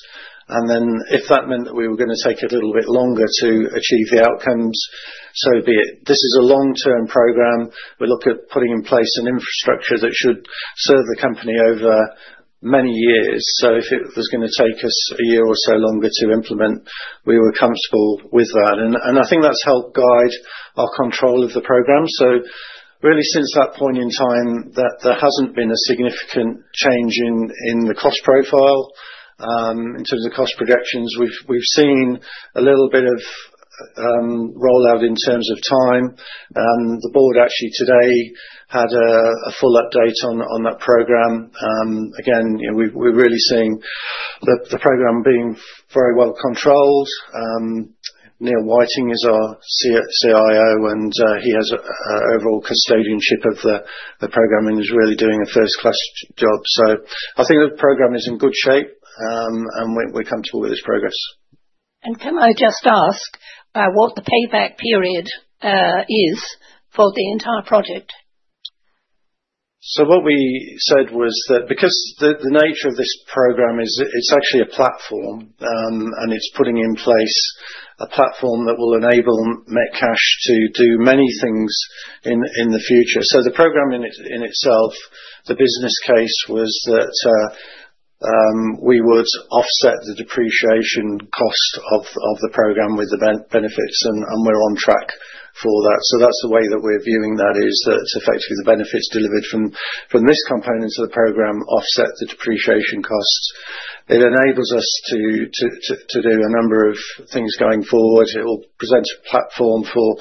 And then if that meant that we were going to take a little bit longer to achieve the outcomes, so be it. This is a long-term program. We look at putting in place an infrastructure that should serve the company over many years. So if it was going to take us a year or so longer to implement, we were comfortable with that. And I think that's helped guide our control of the program. So really, since that point in time, there hasn't been a significant change in the cost profile. In terms of cost projections, we've seen a little bit of rollout in terms of time. The board actually today had a full update on that program. Again, we're really seeing the program being very well controlled. Neil Whiting is our CIO, and he has overall custodianship of the program and is really doing a first-class job. So I think the program is in good shape, and we're comfortable with its progress. And can I just ask what the payback period is for the entire project? So what we said was that because the nature of this program is it's actually a platform, and it's putting in place a platform that will enable Metcash to do many things in the future. So the program in itself, the business case was that we would offset the depreciation cost of the program with the benefits, and we're on track for that. So that's the way that we're viewing that, is that effectively the benefits delivered from this component to the program offset the depreciation costs. It enables us to do a number of things going forward. It will present a platform for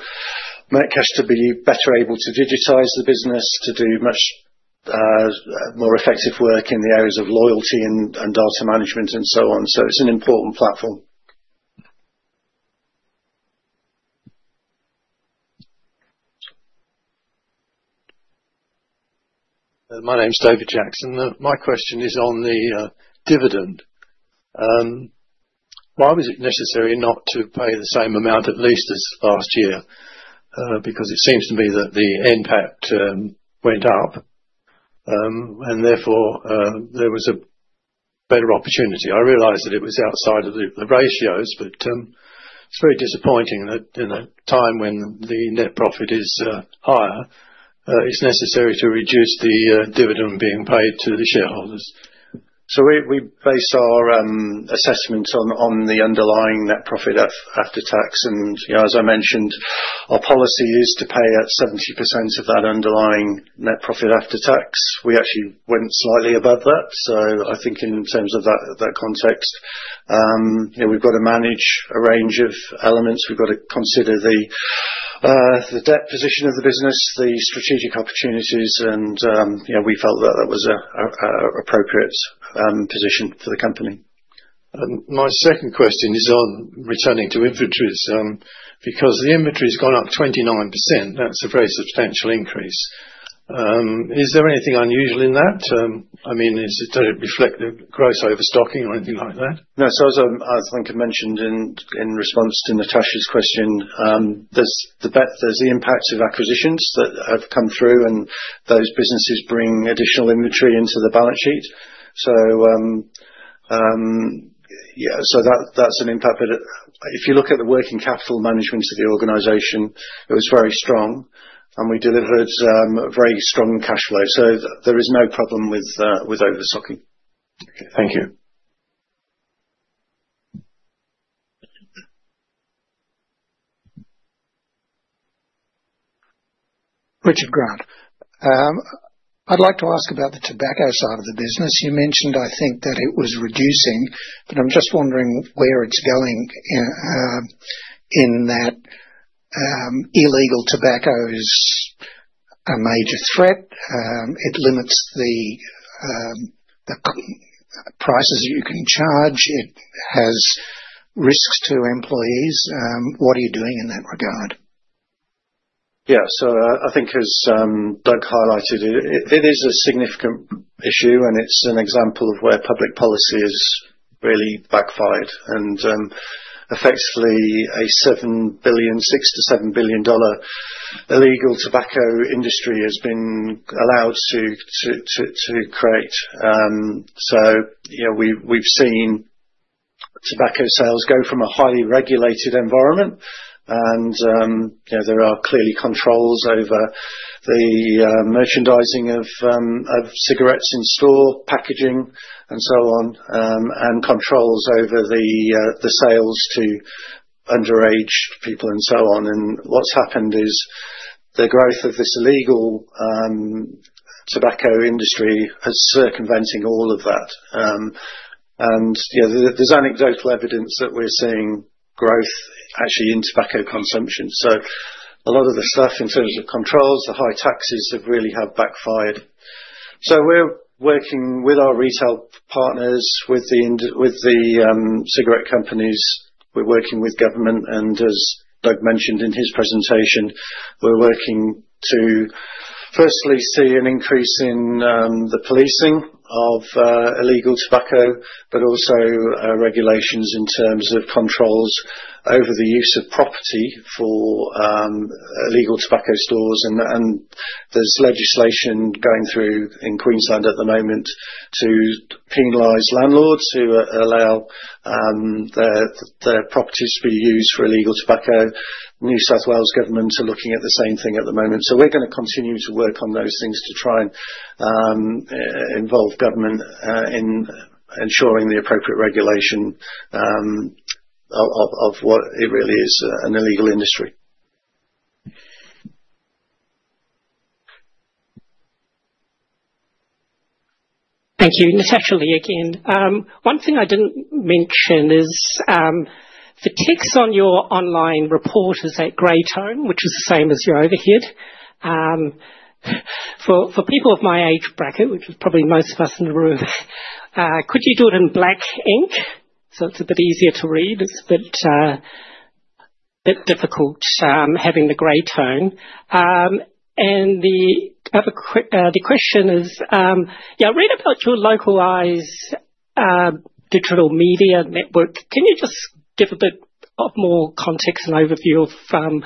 Metcash to be better able to digitize the business, to do much more effective work in the areas of loyalty and data management and so on. It's an important platform. My name's David Jackson. My question is on the dividend. Why was it necessary not to pay the same amount at least as last year? Because it seems to me that the impact went up, and therefore there was a better opportunity. I realized that it was outside of the ratios, but it's very disappointing that in a time when the net profit is higher, it's necessary to reduce the dividend being paid to the shareholders. We based our assessment on the underlying net profit after tax. As I mentioned, our policy is to pay at 70% of that underlying net profit after tax. We actually went slightly above that. So I think in terms of that context, we've got to manage a range of elements. We've got to consider the debt position of the business, the strategic opportunities, and we felt that that was an appropriate position for the company. My second question is on returning to inventories because the inventory has gone up 29%. That's a very substantial increase. Is there anything unusual in that? I mean, does it reflect the gross overstocking or anything like that? No. So as Doug mentioned in response to Natasha's question, there's the impacts of acquisitions that have come through, and those businesses bring additional inventory into the balance sheet. So yeah, so that's an impact. But if you look at the working capital management of the organization, it was very strong, and we delivered very strong cash flow. So there is no problem with overstocking. Okay. Thank you. Richard Grant. I'd like to ask about the tobacco side of the business. You mentioned, I think, that it was reducing, but I'm just wondering where it's going in that illegal tobacco is a major threat. It limits the prices that you can charge. It has risks to employees. What are you doing in that regard? Yeah. So I think, as Doug highlighted, it is a significant issue, and it's an example of where public policy is really backfired, and effectively, an 6-7 billion dollar illegal tobacco industry has been allowed to create. So we've seen tobacco sales go from a highly regulated environment, and there are clearly controls over the merchandising of cigarettes in store, packaging, and so on, and controls over the sales to underage people and so on, and what's happened is the growth of this illegal tobacco industry is circumventing all of that. And there's anecdotal evidence that we're seeing growth actually in tobacco consumption. So a lot of the stuff in terms of controls, the high taxes have really backfired. So we're working with our retail partners, with the cigarette companies. We're working with government. And as Doug mentioned in his presentation, we're working to firstly see an increase in the policing of illegal tobacco, but also regulations in terms of controls over the use of property for illegal tobacco stores. And there's legislation going through in Queensland at the moment to penalize landlords who allow their properties to be used for illegal tobacco. New South Wales government are looking at the same thing at the moment. So we're going to continue to work on those things to try and involve government in ensuring the appropriate regulation of what it really is, an illegal industry. Thank you. Natasha Lee again. One thing I didn't mention is the text on your online report is that grey tone, which is the same as your overhead. For people of my age bracket, which is probably most of us in the room, could you do it in black ink? So it's a bit easier to read. It's a bit difficult having the grey tone. And the question is, yeah, I read about your localised digital media network. Can you just give a bit more context and overview of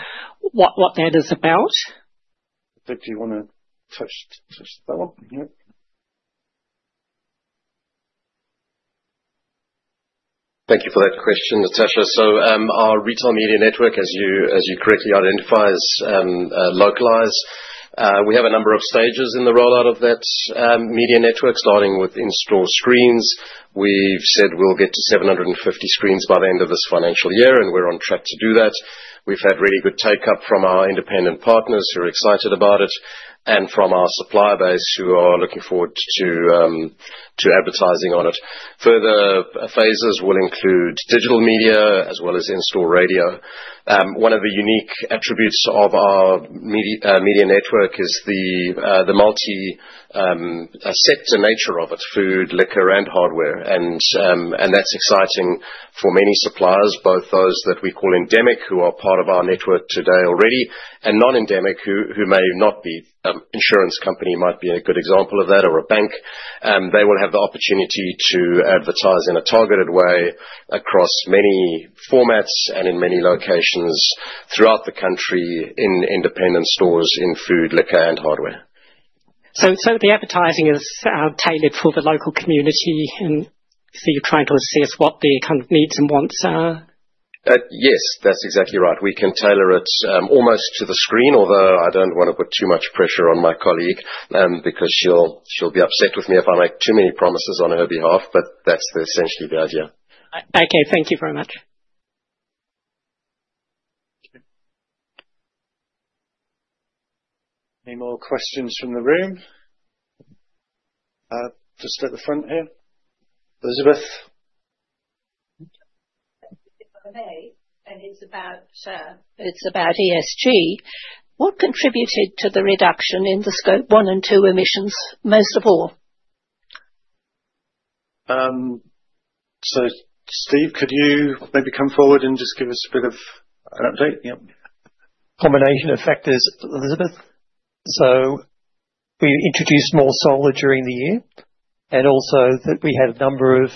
what that is about? Doug, do you want to touch that one? Yeah. Thank you for that question, Natasha. So our retail media network, as you correctly identify, is localized. We have a number of stages in the rollout of that media network, starting with in-store screens. We've said we'll get to 750 screens by the end of this financial year, and we're on track to do that. We've had really good take-up from our independent partners who are excited about it and from our supplier base who are looking forward to advertising on it. Further phases will include digital media as well as in-store radio. One of the unique attributes of our media network is the multi-sector nature of it: food, liquor, and hardware. And that's exciting for many suppliers, both those that we call endemic, who are part of our network today already, and non-endemic, who may not be. An insurance company might be a good example of that, or a bank. They will have the opportunity to advertise in a targeted way across many formats and in many locations throughout the country in independent stores in food, liquor, and hardware. So the advertising is tailored for the local community, and so you're trying to assess what the kind of needs and wants are? Yes, that's exactly right. We can tailor it almost to the screen, although I don't want to put too much pressure on my colleague because she'll be upset with me if I make too many promises on her behalf, but that's essentially the idea. Okay. Thank you very much. Any more questions from the room? Just at the front here. Elizabeth. It's about ESG. What contributed to the reduction in the Scope 1 and 2 emissions most of all? So Steve, could you maybe come forward and just give us a bit of an update? Yeah. Combination of factors, Elizabeth. So we introduced more solar during the year and also that we had a number of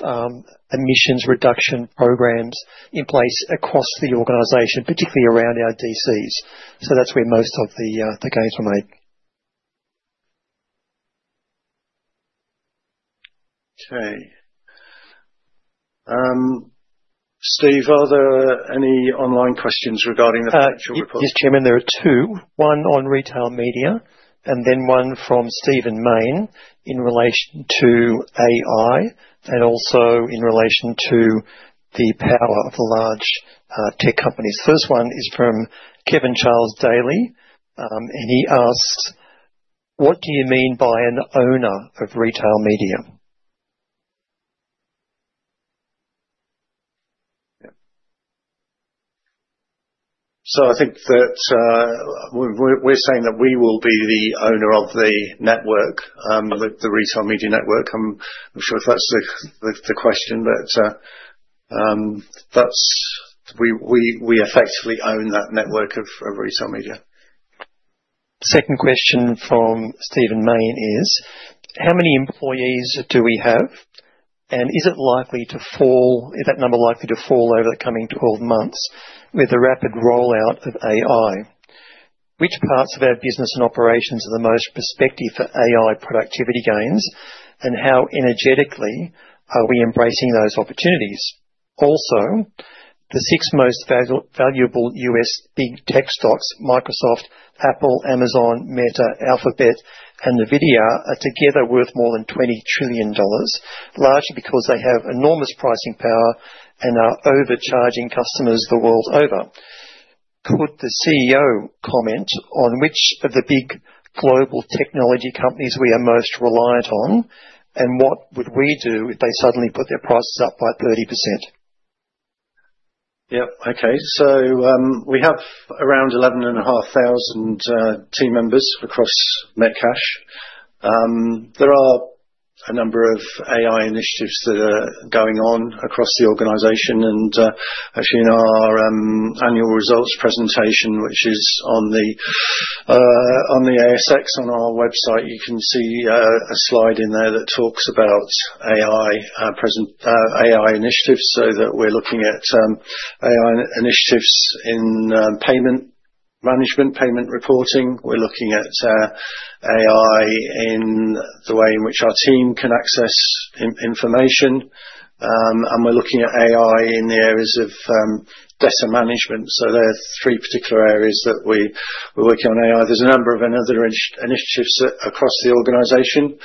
emissions reduction programs in place across the organization, particularly around our DCs. So that's where most of the gains were made. Okay. Steve, are there any online questions regarding the financial report? Yes, Chairman. There are two. One on retail media and then one from Stephen Mayne in relation to AI and also in relation to the power of the large tech companies. First one is from Kevin Charles Daly, and he asked, "What do you mean by an owner of retail media?" So I think that we're saying that we will be the owner of the network, the retail media network. I'm sure if that's the question, but we effectively own that network of retail media. Second question from Stephen Mayne is, "How many employees do we have, and is it likely to fall, that number likely to fall over the coming 12 months with the rapid rollout of AI? Which parts of our business and operations are the most prospective for AI productivity gains, and how energetically are we embracing those opportunities? Also, the six most valuable U.S. big tech stocks, Microsoft, Apple, Amazon, Meta, Alphabet, and Nvidia, are together worth more than $20 trillion, largely because they have enormous pricing power and are overcharging customers the world over. Could the CEO comment on which of the big global technology companies we are most reliant on, and what would we do if they suddenly put their prices up by 30%?" Yep. Okay. So we have around 11,500 team members across Metcash. There are a number of AI initiatives that are going on across the organization. Actually, in our annual results presentation, which is on the ASX on our website, you can see a slide in there that talks about AI initiatives so that we're looking at AI initiatives in payment management, payment reporting. We're looking at AI in the way in which our team can access information. And we're looking at AI in the areas of data management. So there are three particular areas that we're working on AI. There's a number of other initiatives across the organization.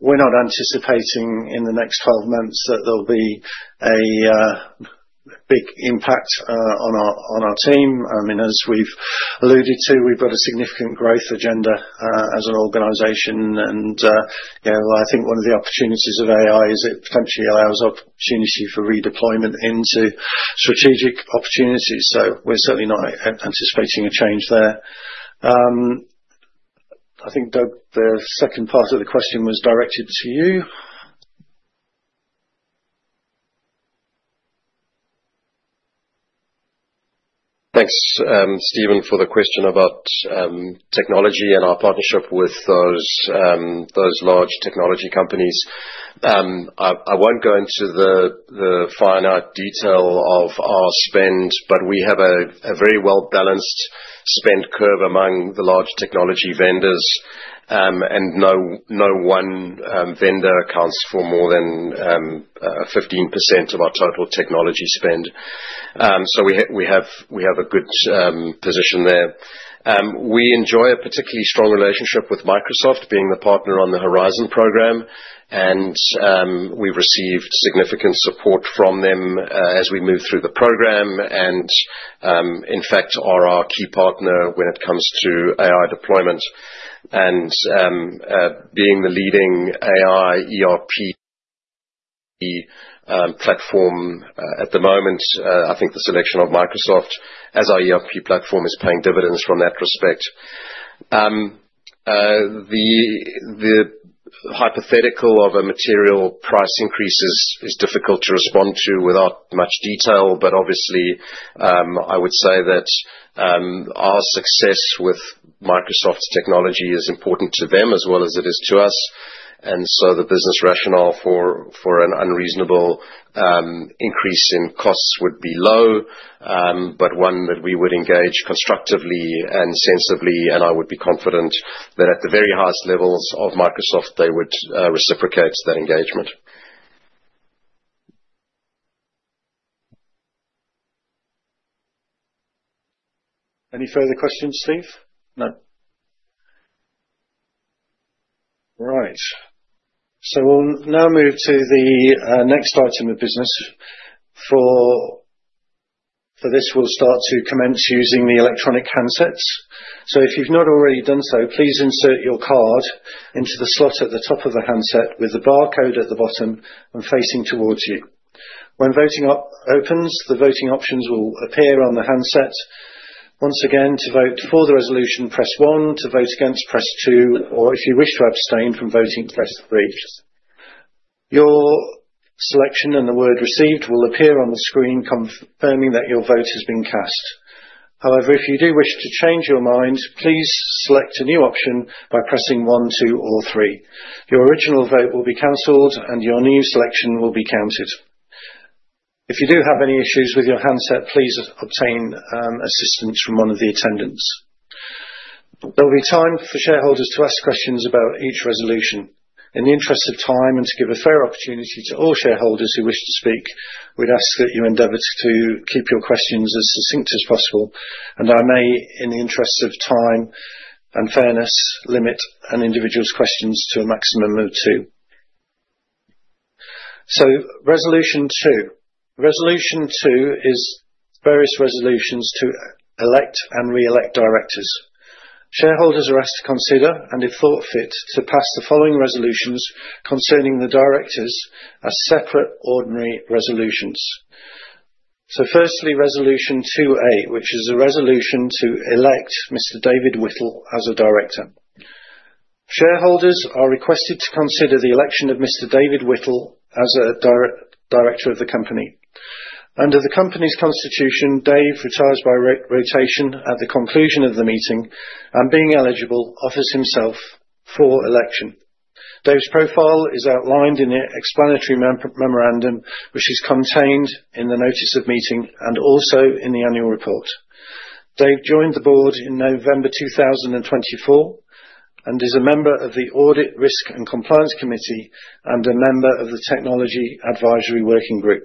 We're not anticipating in the next 12 months that there'll be a big impact on our team. I mean, as we've alluded to, we've got a significant growth agenda as an organization. And I think one of the opportunities of AI is it potentially allows opportunity for redeployment into strategic opportunities. So we're certainly not anticipating a change there. I think Doug, the second part of the question was directed to you. Thanks, Stephen, for the question about technology and our partnership with those large technology companies. I won't go into the fine art detail of our spend, but we have a very well-balanced spend curve among the large technology vendors, and no one vendor accounts for more than 15% of our total technology spend. So we have a good position there. We enjoy a particularly strong relationship with Microsoft being the partner on the Project Horizon program, and we've received significant support from them as we move through the program and, in fact, are our key partner when it comes to AI deployment. Being the leading AI ERP platform at the moment, I think the selection of Microsoft as our ERP platform is paying dividends from that respect. The hypothetical of a material price increase is difficult to respond to without much detail, but obviously, I would say that our success with Microsoft's technology is important to them as well as it is to us, and so the business rationale for an unreasonable increase in costs would be low, but one that we would engage constructively and sensibly, and I would be confident that at the very highest levels of Microsoft, they would reciprocate that engagement. Any further questions, Steve? No. All right, so we'll now move to the next item of business. For this, we'll start to commence using the electronic handsets, so if you've not already done so, please insert your card into the slot at the top of the handset with the barcode at the bottom and facing towards you. When voting opens, the voting options will appear on the handset. Once again, to vote for the resolution, press one. To vote against, press two. Or if you wish to abstain from voting, press three. Your selection and the word "received" will appear on the screen confirming that your vote has been cast. However, if you do wish to change your mind, please select a new option by pressing one, two, or three. Your original vote will be cancelled, and your new selection will be counted. If you do have any issues with your handset, please obtain assistance from one of the attendants. There'll be time for shareholders to ask questions about each resolution. In the interest of time and to give a fair opportunity to all shareholders who wish to speak, we'd ask that you endeavor to keep your questions as succinct as possible. I may, in the interest of time and fairness, limit an individual's questions to a maximum of two. Resolution two. Resolution two is various resolutions to elect and re-elect directors. Shareholders are asked to consider and, if thought fit, to pass the following resolutions concerning the directors as separate ordinary resolutions. Firstly, resolution 2A, which is a resolution to elect Mr. David Whittle as a director. Shareholders are requested to consider the election of Mr. David Whittle as a director of the company. Under the company's constitution, Dave retires by rotation at the conclusion of the meeting and, being eligible, offers himself for election. Dave's profile is outlined in the explanatory memorandum, which is contained in the notice of meeting and also in the annual report. Dave joined the board in November 2024 and is a member of the Audit, Risk and Compliance Committee and a member of the Technology Advisory Working Group.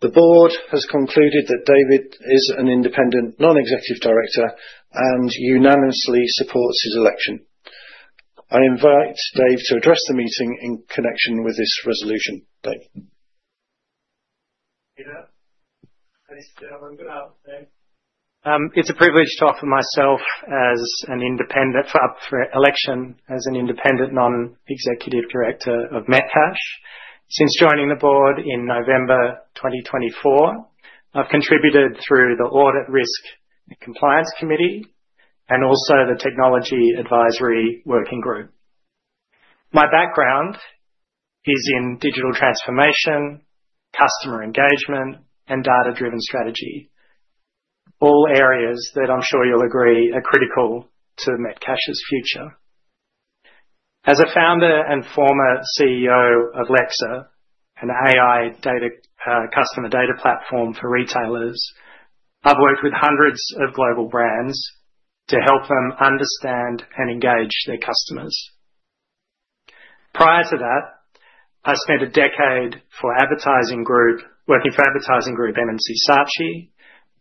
The board has concluded that David is an independent non-executive director and unanimously supports his election. I invite Dave to address the meeting in connection with this resolution. Dave. It's a privilege to offer myself as an independent for election as an independent non-executive director of Metcash. Since joining the board in November 2024, I've contributed through the Audit, Risk and Compliance Committee and also the Technology Advisory Working Group. My background is in digital transformation, customer engagement, and data-driven strategy, all areas that I'm sure you'll agree are critical to Metcash's future. As a founder and former CEO of Lexer, an AI customer data platform for retailers, I've worked with hundreds of global brands to help them understand and engage their customers. Prior to that, I spent a decade working for advertising group M&C Saatchi,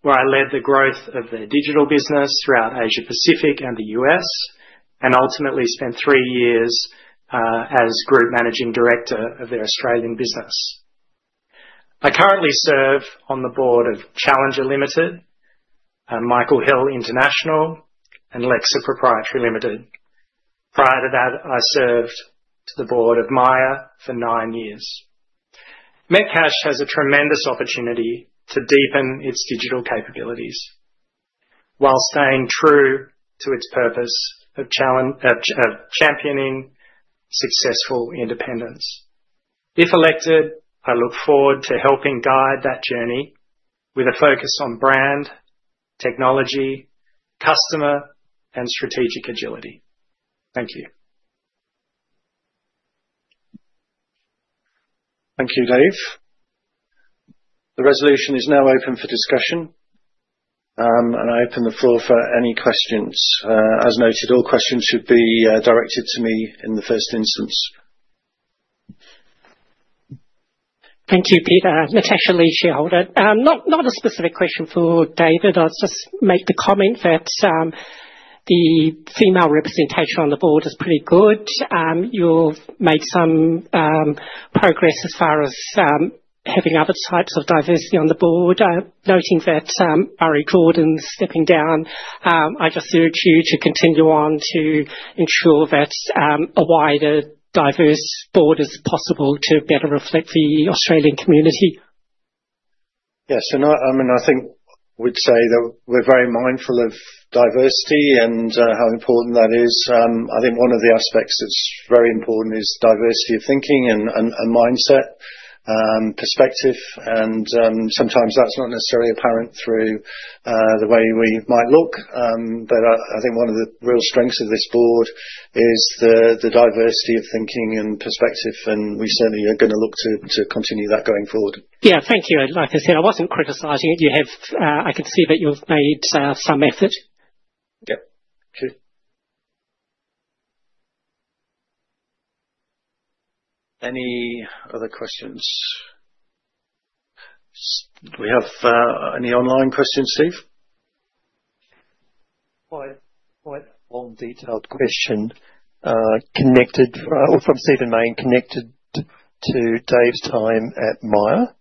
where I led the growth of their digital business throughout Asia-Pacific and the U.S., and ultimately spent three years as group managing director of their Australian business. I currently serve on the board of Challenger Limited, Michael Hill International, and Lexer Proprietary Limited. Prior to that, I served on the board of Myer for nine years. Metcash has a tremendous opportunity to deepen its digital capabilities while staying true to its purpose of championing successful independence. If elected, I look forward to helping guide that journey with a focus on brand, technology, customer, and strategic agility. Thank you. Thank you, Dave. The resolution is now open for discussion, and I open the floor for any questions. As noted, all questions should be directed to me in the first instance. Thank you, Peter. Natasha Lee, shareholder. Not a specific question for David. I'll just make the comment that the female representation on the board is pretty good. You've made some progress as far as having other types of diversity on the board. Noting that Murray Jordan's stepping down, I just urge you to continue on to ensure that a wider diverse board is possible to better reflect the Australian community. Yes. And I mean, I think we'd say that we're very mindful of diversity and how important that is. I think one of the aspects that's very important is diversity of thinking and mindset, perspective. And sometimes that's not necessarily apparent through the way we might look. But I think one of the real strengths of this board is the diversity of thinking and perspective, and we certainly are going to look to continue that going forward. Yeah. Thank you. Like I said, I wasn't criticising it. I can see that you've made some effort. Yep. Okay. Any other questions? Do we have any online questions, Steve? Quite a long, detailed question from Stephen Mayne, connected to Dave's time at Myer.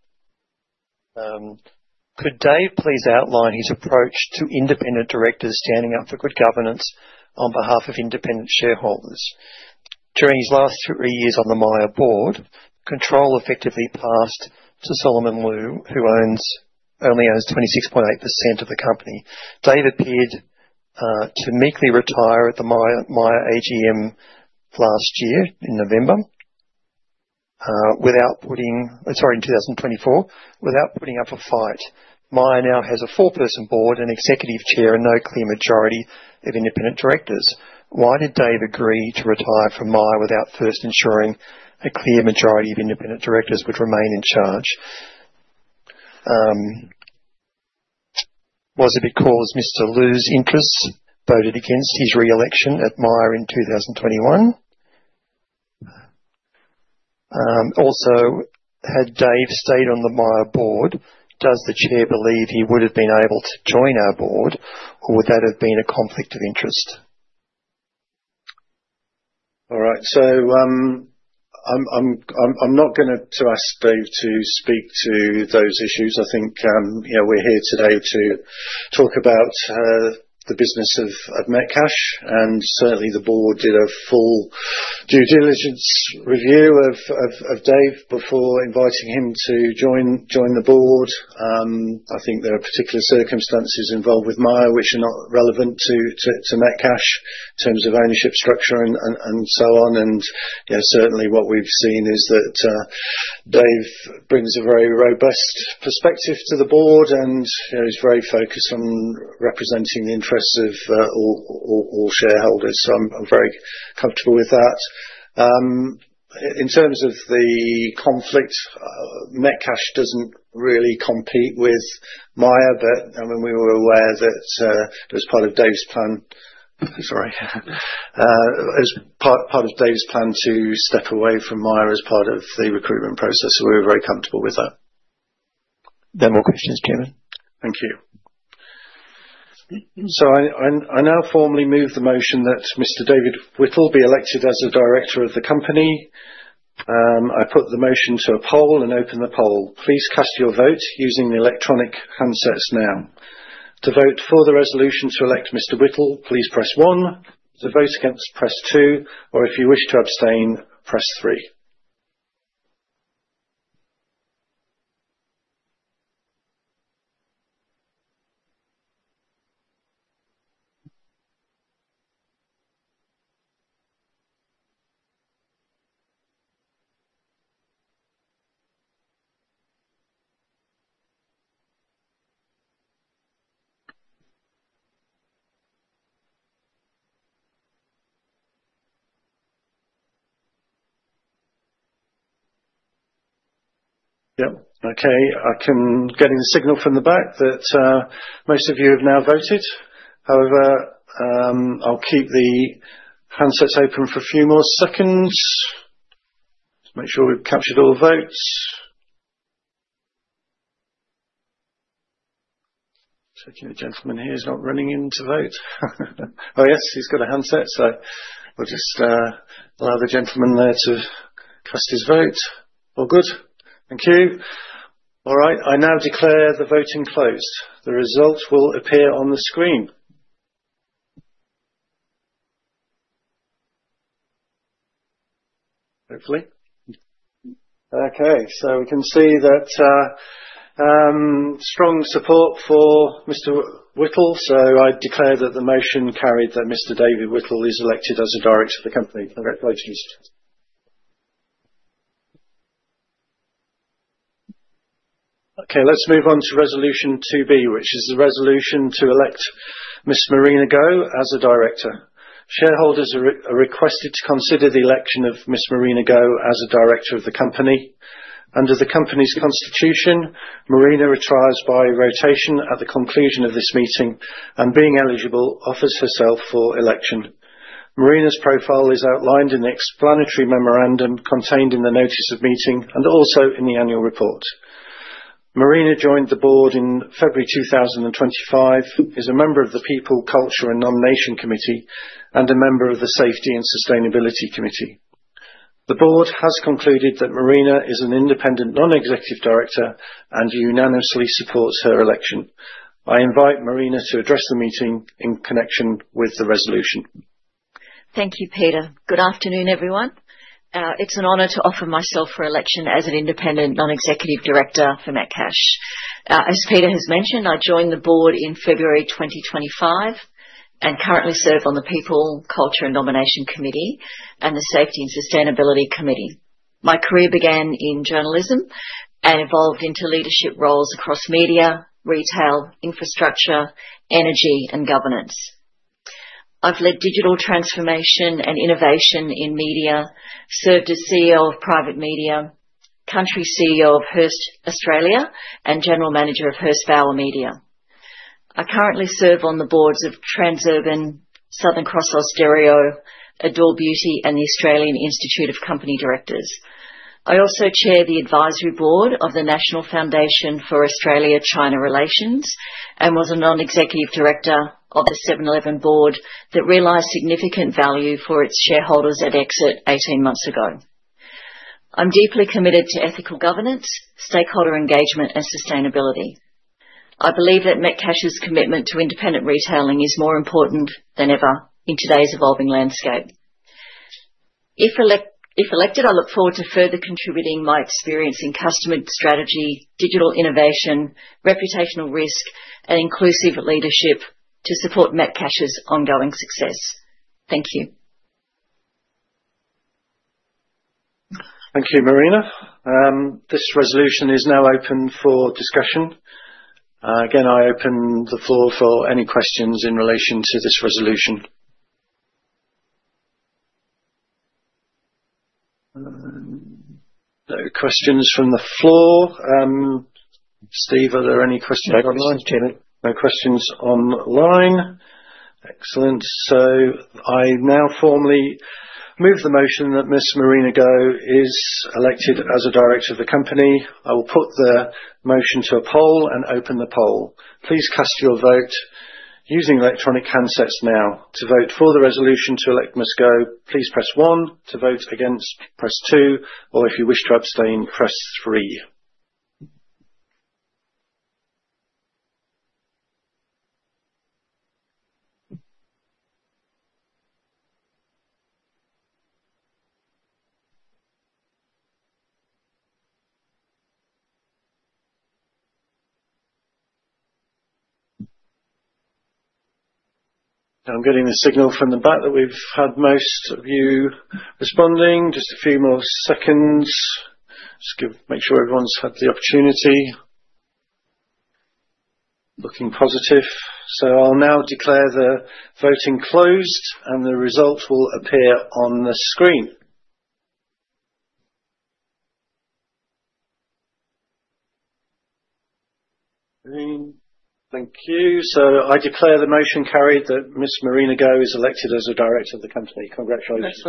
"Could Dave please outline his approach to independent directors standing up for good governance on behalf of independent shareholders? During his last three years on the Myer board, control effectively passed to Solomon Lew, who only owns 26.8% of the company. Dave appeared to meekly retire at the Myer AGM last year in November, sorry, in 2024, without putting up a fight. Myer now has a four-person board, an executive chair, and no clear majority of independent directors. Why did Dave agree to retire from Myer without first ensuring a clear majority of independent directors would remain in charge? Was it because Mr. Lew's interests voted against his re-election at Myer in 2021? Also, had Dave stayed on the Myer board, does the chair believe he would have been able to join our board, or would that have been a conflict of interest?" All right, so I'm not going to ask Dave to speak to those issues. I think we're here today to talk about the business of Metcash. Certainly, the board did a full due diligence review of Dave before inviting him to join the board. I think there are particular circumstances involved with Myer which are not relevant to Metcash in terms of ownership structure and so on, and certainly, what we've seen is that Dave brings a very robust perspective to the board, and he's very focused on representing the interests of all shareholders, so I'm very comfortable with that. In terms of the conflict, Metcash doesn't really compete with Myer, but I mean, we were aware that it was part of Dave's plan. Sorry. It was part of Dave's plan to step away from Myer as part of the recruitment process. So we were very comfortable with that. No more questions, Chairman. Thank you. So I now formally move the motion that Mr. David Whittle be elected as a director of the company. I put the motion to a poll and open the poll. Please cast your vote using the electronic handsets now. To vote for the resolution to elect Mr. Whittle, please press one. To vote against, press two. Or if you wish to abstain, press three. Yep. Okay. I'm getting a signal from the back that most of you have now voted. However, I'll keep the handsets open for a few more seconds to make sure we've captured all votes. Checking the gentleman here is not running in to vote. Oh, yes. He's got a handset, so we'll just allow the gentleman there to cast his vote. All good. Thank you. All right. I now declare the voting closed. The result will appear on the screen. Hopefully. Okay. So we can see that strong support for Mr. Whittle. So I declare that the motion carried that Mr. David Whittle is elected as a director of the company. Congratulations, Mr. Whittle. Okay. Let's move on to resolution 2B, which is the resolution to elect Miss Marina Go as a director. Shareholders are requested to consider the election of Miss Marina Go as a director of the company. Under the company's constitution, Marina retires by rotation at the conclusion of this meeting and, being eligible, offers herself for election. Marina's profile is outlined in the explanatory memorandum contained in the notice of meeting and also in the annual report. Marina joined the board in February 2025, is a member of the People, Culture, and Nomination Committee, and a member of the Safety and Sustainability Committee. The board has concluded that Marina is an independent non-executive director and unanimously supports her election. I invite Marina to address the meeting in connection with the resolution. Thank you, Peter. Good afternoon, everyone. It's an honor to offer myself for election as an independent non-executive director for Metcash. As Peter has mentioned, I joined the board in February 2025 and currently serve on the People, Culture, and Nomination Committee and the Safety and Sustainability Committee. My career began in journalism and evolved into leadership roles across media, retail, infrastructure, energy, and governance. I've led digital transformation and innovation in media, served as CEO of Private Media, Country CEO of Hearst Australia, and General Manager of Hearst Bauer Media. I currently serve on the boards of Transurban, Southern Cross Austereo, Adore Beauty, and the Australian Institute of Company Directors. I also chair the advisory board of the National Foundation for Australia-China Relations and was a non-executive director of the 7-Eleven board that realized significant value for its shareholders at exit 18 months ago. I'm deeply committed to ethical governance, stakeholder engagement, and sustainability. I believe that Metcash's commitment to independent retailing is more important than ever in today's evolving landscape. If elected, I look forward to further contributing my experience in customer strategy, digital innovation, reputational risk, and inclusive leadership to support Metcash's ongoing success. Thank you. Thank you, Marina. This resolution is now open for discussion. Again, I open the floor for any questions in relation to this resolution. No questions from the floor. Steve, are there any questions online? No questions online. Excellent. So I now formally move the motion that Miss Marina Go is elected as a director of the company. I will put the motion to a poll and open the poll. Please cast your vote using electronic handsets now. To vote for the resolution to elect Miss Go, please press one. To vote against, press two. Or if you wish to abstain, press three. I'm getting a signal from the back that we've had most of you responding. Just a few more seconds. Just make sure everyone's had the opportunity. Looking positive. So I'll now declare the voting closed, and the result will appear on the screen. Thank you. So I declare the motion carried that Miss Marina Go is elected as a director of the company. Congratulations.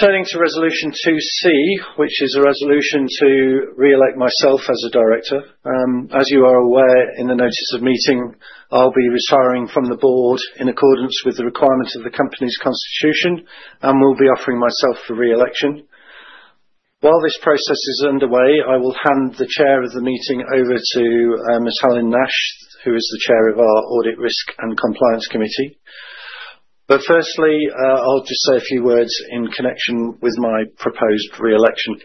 Turning to resolution 2C, which is a resolution to re-elect myself as a director. As you are aware, in the notice of meeting, I'll be retiring from the board in accordance with the requirements of the company's constitution and will be offering myself for re-election. While this process is underway, I will hand the chair of the meeting over to Miss Helen Nash, who is the chair of our Audit, Risk and Compliance Committee. But firstly, I'll just say a few words in connection with my proposed re-election.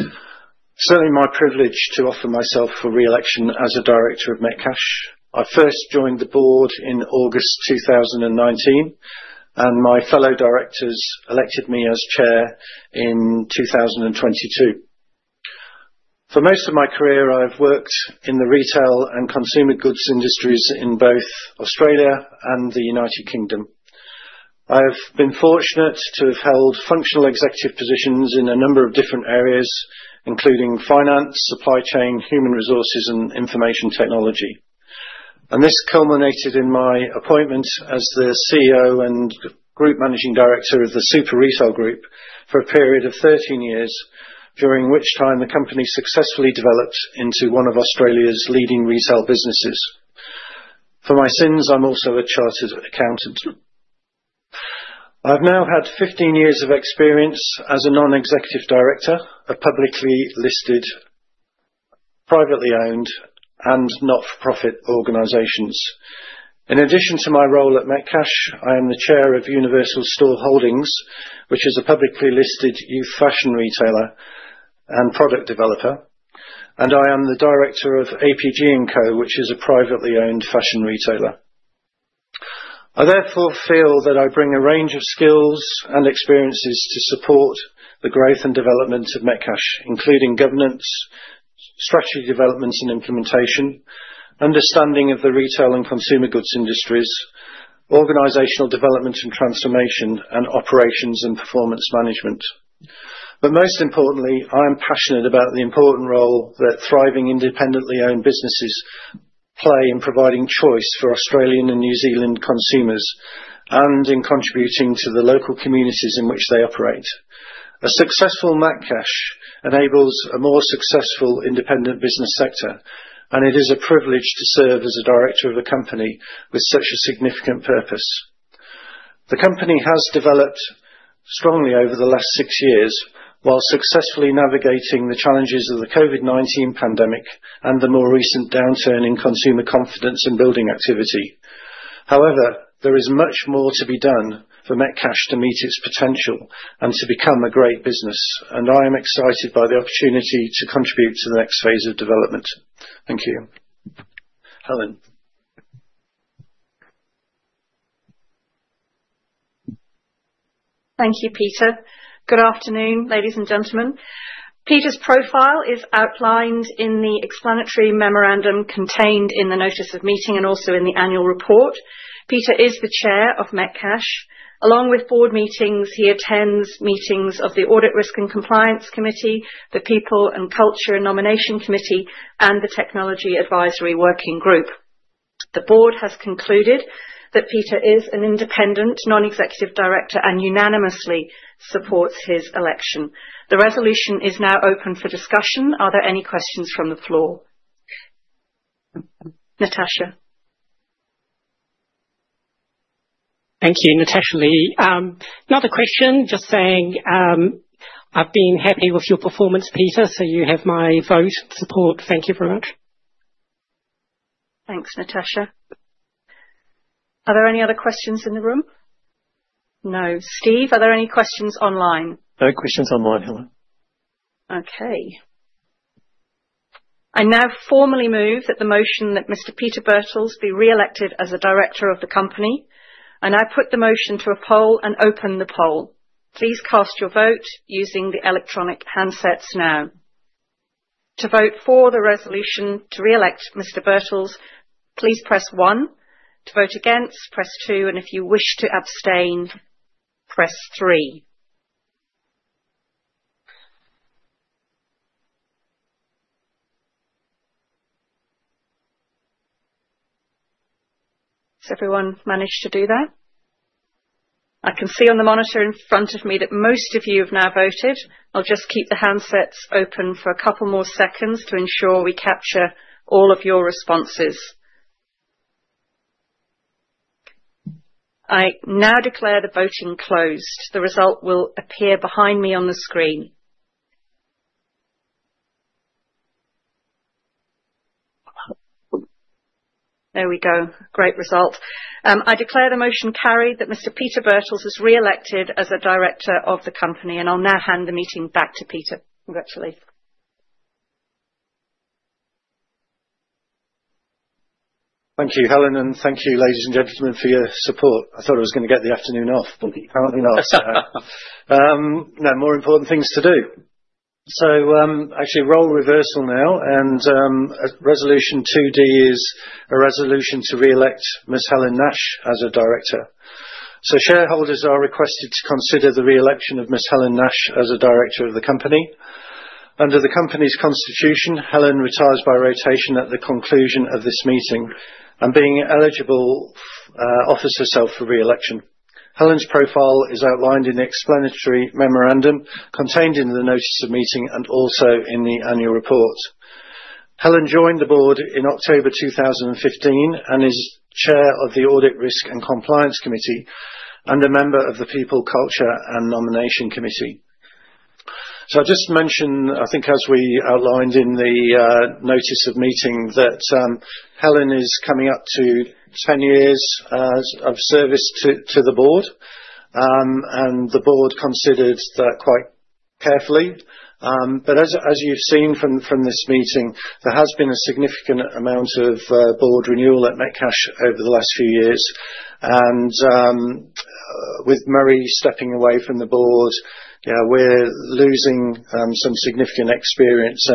It's certainly my privilege to offer myself for re-election as a director of Metcash. I first joined the board in August 2019, and my fellow directors elected me as chair in 2022. For most of my career, I've worked in the retail and consumer goods industries in both Australia and the United Kingdom. I have been fortunate to have held functional executive positions in a number of different areas, including finance, supply chain, human resources, and information technology, and this culminated in my appointment as the CEO and group managing director of the Super Retail Group for a period of 13 years, during which time the company successfully developed into one of Australia's leading retail businesses. For my sins, I'm also a chartered accountant. I've now had 15 years of experience as a non-executive director of publicly listed, privately owned, and not-for-profit organizations. In addition to my role at Metcash, I am the chair of Universal Store Holdings, which is a publicly listed youth fashion retailer and product developer. And I am the director of APG & Co., which is a privately owned fashion retailer. I therefore feel that I bring a range of skills and experiences to support the growth and development of Metcash, including governance, strategy development and implementation, understanding of the retail and consumer goods industries, organizational development and transformation, and operations and performance management. But most importantly, I am passionate about the important role that thriving independently owned businesses play in providing choice for Australian and New Zealand consumers and in contributing to the local communities in which they operate. A successful Metcash enables a more successful independent business sector, and it is a privilege to serve as a director of a company with such a significant purpose. The company has developed strongly over the last six years while successfully navigating the challenges of the COVID-19 pandemic and the more recent downturn in consumer confidence and building activity. However, there is much more to be done for Metcash to meet its potential and to become a great business, and I am excited by the opportunity to contribute to the next phase of development. Thank you. Helen. Thank you, Peter. Good afternoon, ladies and gentlemen. Peter's profile is outlined in the explanatory memorandum contained in the notice of meeting and also in the annual report. Peter is the Chair of Metcash. Along with board meetings, he attends meetings of the Audit, Risk and Compliance Committee, the People, Culture and Nomination Committee, and the Technology Advisory Working Group. The board has concluded that Peter is an independent non-executive director and unanimously supports his election. The resolution is now open for discussion. Are there any questions from the floor? Natasha. Thank you, Natasha Lee. Another question, just saying I've been happy with your performance, Peter, so you have my vote support. Thank you very much. Thanks, Natasha. Are there any other questions in the room? No. Steve, are there any questions online? No questions online, Helen. Okay. I now formally move that the motion that Mr. Peter Birtles be re-elected as a director of the company. I put the motion to a poll and open the poll. Please cast your vote using the electronic handsets now. To vote for the resolution to re-elect Mr. Birtles, please press one. To vote against, press two. If you wish to abstain, press three. Has everyone managed to do that? I can see on the monitor in front of me that most of you have now voted. I'll just keep the handsets open for a couple more seconds to ensure we capture all of your responses. I now declare the voting closed. The result will appear behind me on the screen. There we go. Great result. I declare the motion carried that Mr. Peter Birtles is re-elected as a director of the company. And I'll now hand the meeting back to Peter. Congratulations. Thank you, Helen. And thank you, ladies and gentlemen, for your support. I thought I was going to get the afternoon off, but apparently not. Now, more important things to do. So actually, role reversal now. And resolution 2D is a resolution to re-elect Miss Helen Nash as a director. So shareholders are requested to consider the re-election of Miss Helen Nash as a director of the company. Under the company's constitution, Helen retires by rotation at the conclusion of this meeting, and, being eligible, offers herself for re-election. Helen's profile is outlined in the explanatory memorandum contained in the notice of meeting and also in the annual report. Helen joined the board in October 2015 and is Chair of the Audit, Risk and Compliance Committee and a member of the People, Culture and Nomination Committee. So I just mentioned, I think, as we outlined in the notice of meeting, that Helen is coming up to 10 years of service to the board. And the board considered that quite carefully. But as you've seen from this meeting, there has been a significant amount of board renewal at Metcash over the last few years. And with Murray stepping away from the board, we're losing some significant experience.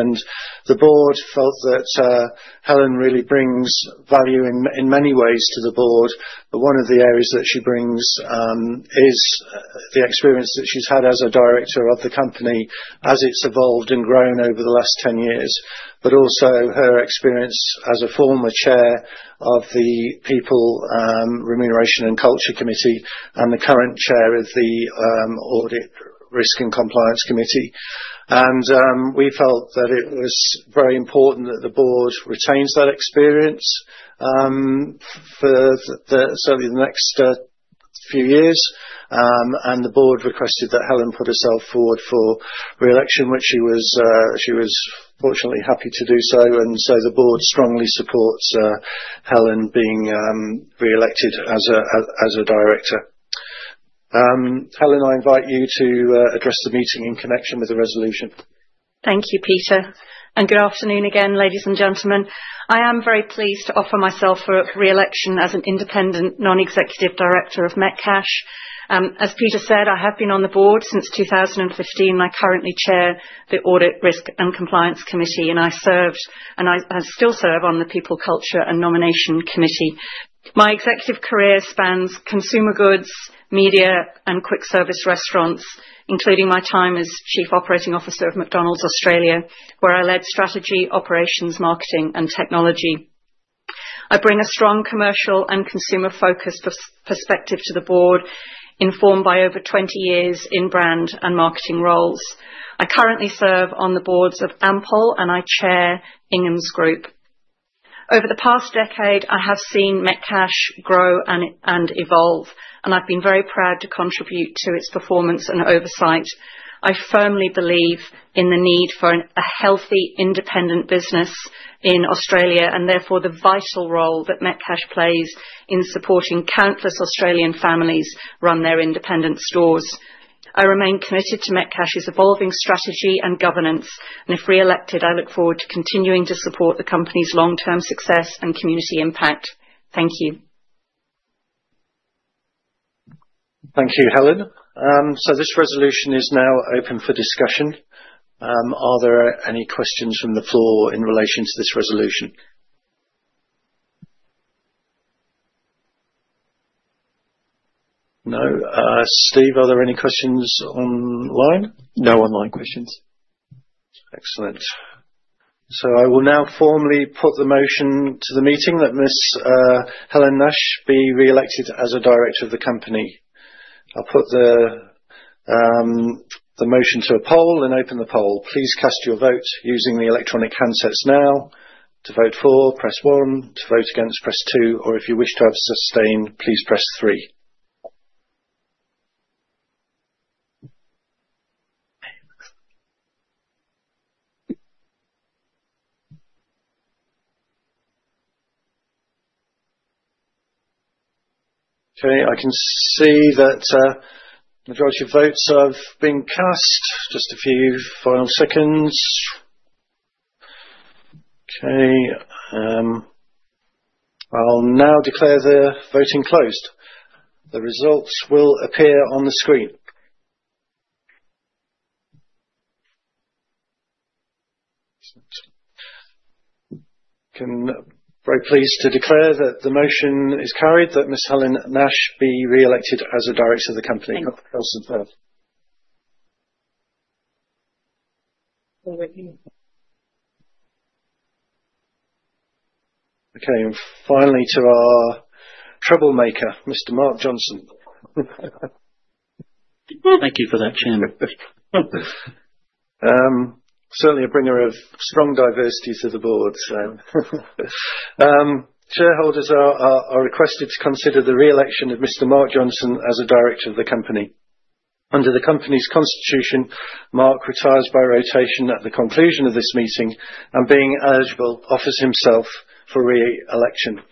The board felt that Helen really brings value in many ways to the board. One of the areas that she brings is the experience that she's had as a director of the company as it's evolved and grown over the last 10 years, but also her experience as a former Chair of the People, Culture and Nomination Committee and the current Chair of the Audit, Risk and Compliance Committee. We felt that it was very important that the board retains that experience for certainly the next few years. The board requested that Helen put herself forward for re-election, which she was fortunately happy to do so. The board strongly supports Helen being re-elected as a director. Helen, I invite you to address the meeting in connection with the resolution. Thank you, Peter. Good afternoon again, ladies and gentlemen. I am very pleased to offer myself for re-election as an independent non-executive director of Metcash. As Peter said, I have been on the board since 2015. I currently chair the Audit, Risk and Compliance Committee, and I served and I still serve on the People, Culture, and Nomination Committee. My executive career spans consumer goods, media, and quick-service restaurants, including my time as Chief Operating Officer of McDonald's Australia, where I led strategy, operations, marketing, and technology. I bring a strong commercial and consumer-focused perspective to the board, informed by over 20 years in brand and marketing roles. I currently serve on the boards of Ampol, and I chair Inghams Group. Over the past decade, I have seen Metcash grow and evolve, and I've been very proud to contribute to its performance and oversight. I firmly believe in the need for a healthy, independent business in Australia and therefore the vital role that Metcash plays in supporting countless Australian families run their independent stores. I remain committed to Metcash's evolving strategy and governance. And if re-elected, I look forward to continuing to support the company's long-term success and community impact. Thank you. Thank you, Helen. So this resolution is now open for discussion. Are there any questions from the floor in relation to this resolution? No. Steve, are there any questions online? No online questions. Excellent. So I will now formally put the motion to the meeting that Miss Helen Nash be re-elected as a director of the company. I'll put the motion to a poll and open the poll. Please cast your vote using the electronic handsets now. To vote for, press one. To vote against, press two. Or if you wish to abstain, please press three. Okay. I can see that the majority of votes have been cast. Just a few final seconds. Okay. I'll now declare the voting closed. The results will appear on the screen. Very pleased to declare that the motion is carried that Helen Nash be re-elected as a director of the company. Okay. And finally, to our troublemaker, Mr. Mark Johnson. Thank you for that, Chairman. Certainly a bringer of strong diversity to the board. Shareholders are requested to consider the re-election of Mr. Mark Johnson as a director of the company. Under the company's constitution, Mark retires by rotation at the conclusion of this meeting and, being eligible, offers himself for re-election.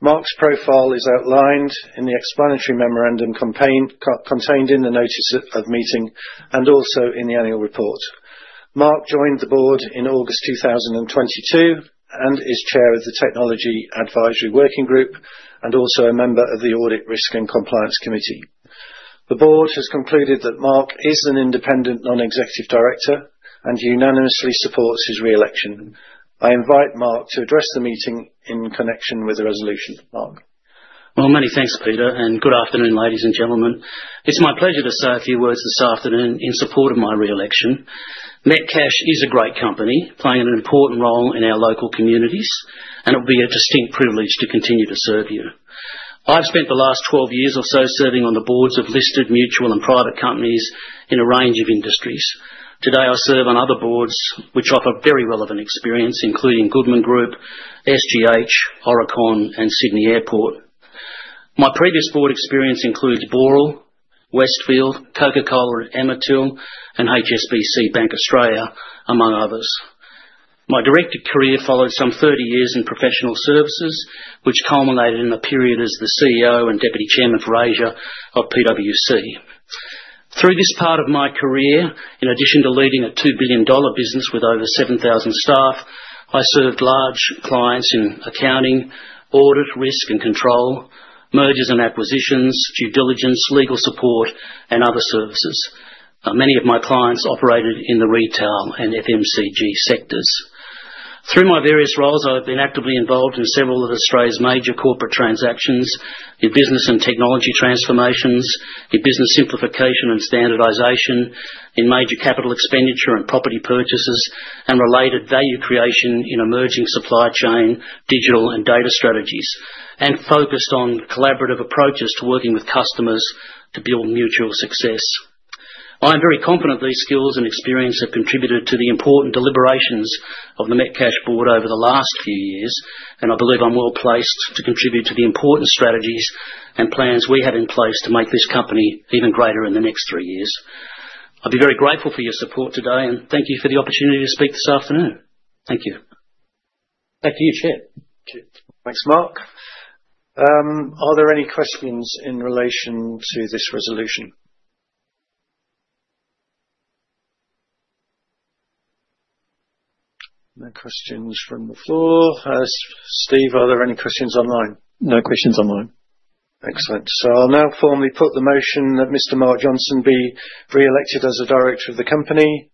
Mark's profile is outlined in the explanatory memorandum contained in the notice of meeting and also in the annual report. Mark joined the board in August 2022 and is chair of the Technology Advisory Working Group and also a member of the Audit, Risk and Compliance Committee. The board has concluded that Mark is an independent non-executive director and unanimously supports his re-election. I invite Mark to address the meeting in connection with the resolution. Well, many thanks, Peter. And good afternoon, ladies and gentlemen. It's my pleasure to say a few words this afternoon in support of my re-election. Metcash is a great company playing an important role in our local communities, and it will be a distinct privilege to continue to serve you. I've spent the last 12 years or so serving on the boards of listed mutual and private companies in a range of industries. Today, I serve on other boards which offer very relevant experience, including Goodman Group, SGH, Aurecon, and Sydney Airport. My previous board experience includes Boral, Westfield, Coca-Cola Amatil, and HSBC Bank Australia, among others. My direct career followed some 30 years in professional services, which culminated in a period as the CEO and deputy chairman for Asia of PwC. Through this part of my career, in addition to leading a 2 billion dollar business with over 7,000 staff, I served large clients in accounting, audit, risk and control, mergers and acquisitions, due diligence, legal support, and other services. Many of my clients operated in the retail and FMCG sectors. Through my various roles, I have been actively involved in several of Australia's major corporate transactions in business and technology transformations, in business simplification and standardization, in major capital expenditure and property purchases, and related value creation in emerging supply chain, digital, and data strategies, and focused on collaborative approaches to working with customers to build mutual success. I'm very confident these skills and experience have contributed to the important deliberations of the Metcash board over the last few years, and I believe I'm well placed to contribute to the important strategies and plans we have in place to make this company even greater in the next three years. I'd be very grateful for your support today, and thank you for the opportunity to speak this afternoon. Thank you. Back to you, Chair. Thanks, Mark. Are there any questions in relation to this resolution? No questions from the floor. Steve, are there any questions online? No questions online. Excellent. So I'll now formally put the motion that Mr. Mark Johnson be re-elected as a director of the company.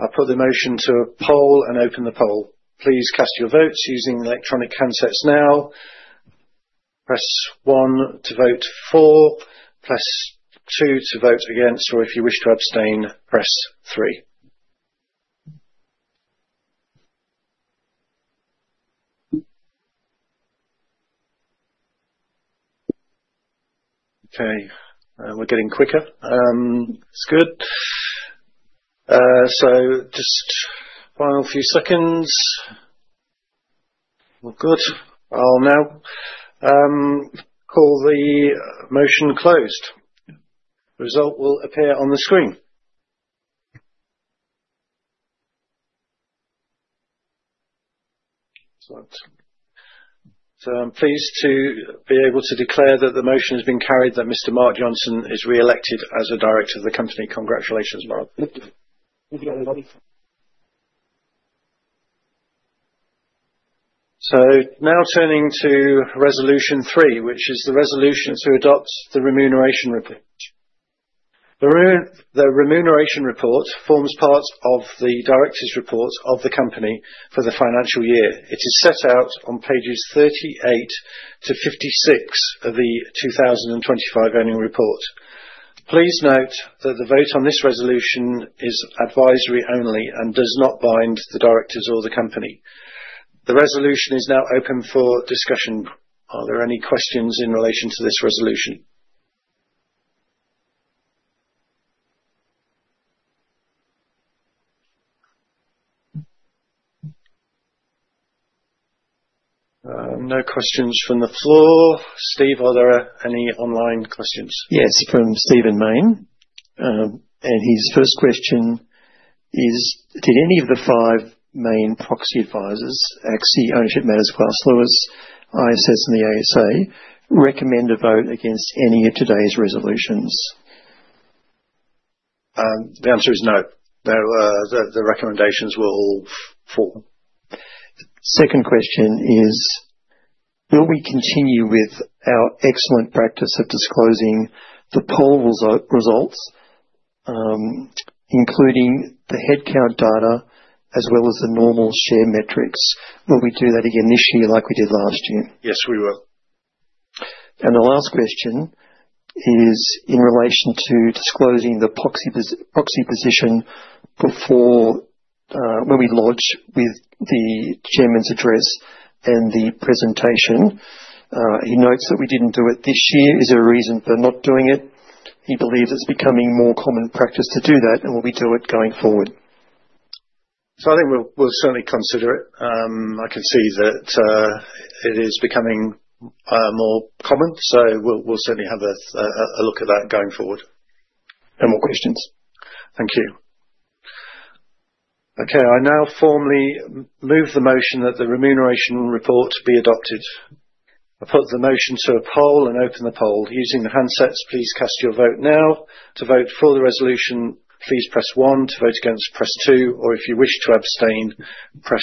I'll put the motion to a poll and open the poll. Please cast your votes using the electronic handsets now. Press one to vote for, press two to vote against, or if you wish to abstain, press three. Okay. We're getting quicker. That's good. So just final few seconds. We're good. I'll now call the motion closed. The result will appear on the screen. Pleased to be able to declare that the motion has been carried that Mr. Mark Johnson is re-elected as a director of the company. Congratulations, Mark. So now turning to resolution three, which is the resolution to adopt the remuneration report. The remuneration report forms part of the director's report of the company for the financial year. It is set out on pages 38-56 of the 2025 annual report. Please note that the vote on this resolution is advisory only and does not bind the directors or the company. The resolution is now open for discussion. Are there any questions in relation to this resolution? No questions from the floor. Steve, are there any online questions? Yes, from Stephen Mayne. And his first question is, did any of the five main proxy advisors, ACSI, Ownership Matters, Glass Lewis, ISS, and the ASA recommend a vote against any of today's resolutions? The answer is no. The recommendations were all for. Second question is, will we continue with our excellent practice of disclosing the poll results, including the headcount data as well as the normal share metrics? Will we do that again this year like we did last year? Yes, we will. And the last question is in relation to disclosing the proxy position before when we lodge with the chairman's address and the presentation. He notes that we didn't do it this year. Is there a reason for not doing it? He believes it's becoming more common practice to do that, and will we do it going forward? So I think we'll certainly consider it. I can see that it is becoming more common, so we'll certainly have a look at that going forward. No more questions. Thank you. Okay. I now formally move the motion that the remuneration report be adopted. I'll put the motion to a poll and open the poll. Using the handsets, please cast your vote now. To vote for the resolution, please press one. To vote against, press two. Or if you wish to abstain, press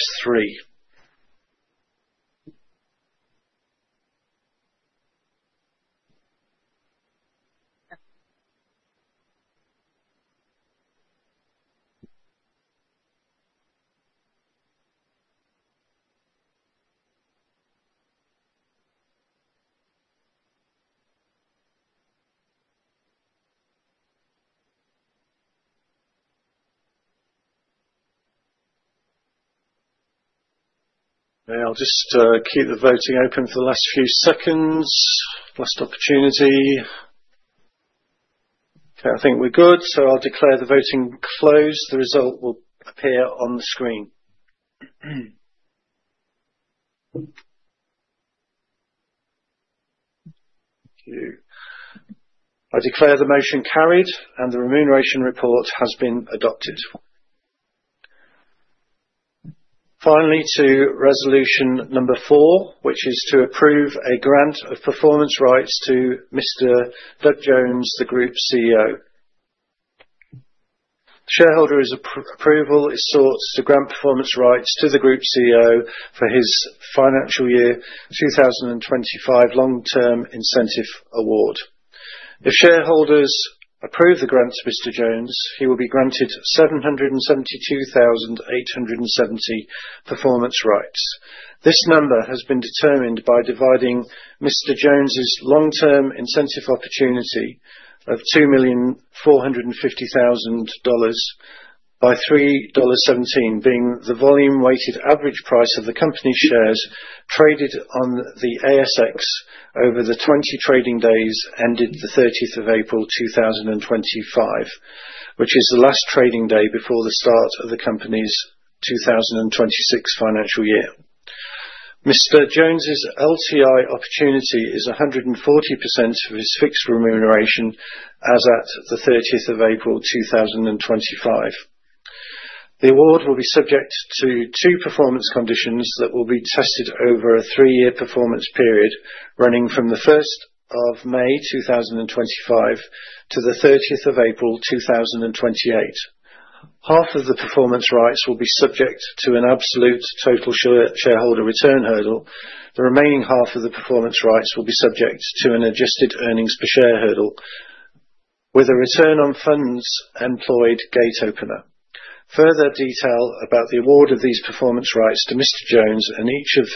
three. Okay. I'll just keep the voting open for the last few seconds. Last opportunity. Okay. I think we're good. So I'll declare the voting closed. The result will appear on the screen. Thank you. I declare the motion carried, and the remuneration report has been adopted. Finally, to resolution number four, which is to approve a grant of performance rights to Mr. Doug Jones, the Group CEO. Shareholder approval is sought to grant performance rights to the Group CEO for his financial year 2025 long-term incentive award. If shareholders approve the grant to Mr. Jones, he will be granted 772,870 performance rights. This number has been determined by dividing Mr. Jones's long-term incentive opportunity of AUD 2,450,000 by 3.17 dollars, being the volume-weighted average price of the company's shares traded on the ASX over the 20 trading days ended the 30th of April 2025, which is the last trading day before the start of the company's 2026 financial year. Mr. Jones's LTI opportunity is 140% of his fixed remuneration as at the 30th of April 2025. The award will be subject to two performance conditions that will be tested over a three-year performance period running from the 1st of May 2025 to the 30th of April 2028. Half of the performance rights will be subject to an absolute total shareholder return hurdle. The remaining half of the performance rights will be subject to an adjusted earnings per share hurdle with a return on funds employed gate opener. Further detail about the award of these performance rights to Mr. Jones and each of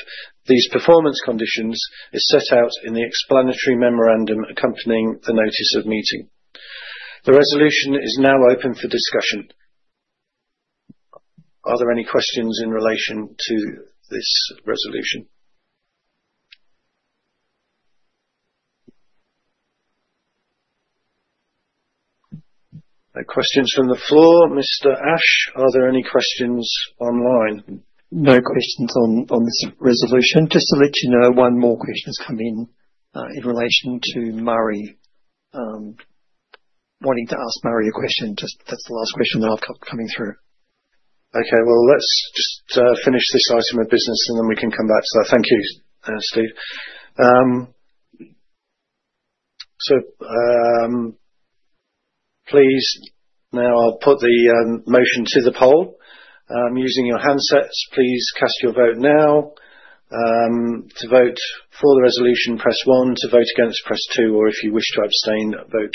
these performance conditions is set out in the explanatory memorandum accompanying the notice of meeting. The resolution is now open for discussion. Are there any questions in relation to this resolution? No questions from the floor. Mr. Ashe, are there any questions online? No questions on this resolution. Just to let you know, one more question has come in in relation to Marina, wanting to ask Marina a question. That's the last question that I've got coming through. Okay. Well, let's just finish this item of business, and then we can come back to that. Thank you, Steve. So please, now I'll put the motion to the poll. Using your handsets, please cast your vote now. To vote for the resolution, press one. To vote against, press two. Or if you wish to abstain, vote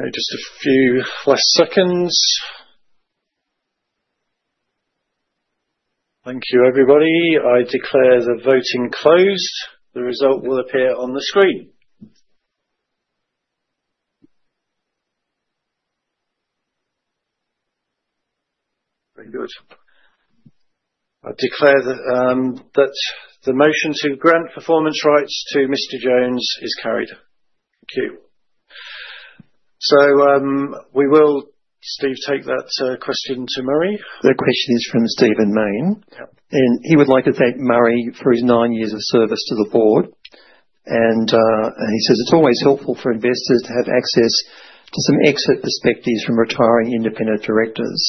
three. Okay. Just a few last seconds. Thank you, everybody. I declare the voting closed. The result will appear on the screen. Very good. I declare that the motion to grant performance rights to Mr. Jones is carried. Thank you. So we will, Steve, take that question to Marina. The question is from Stephen Mayne. He would like to thank Murray for his nine years of service to the board. He says, "It's always helpful for investors to have access to some exit perspectives from retiring independent directors."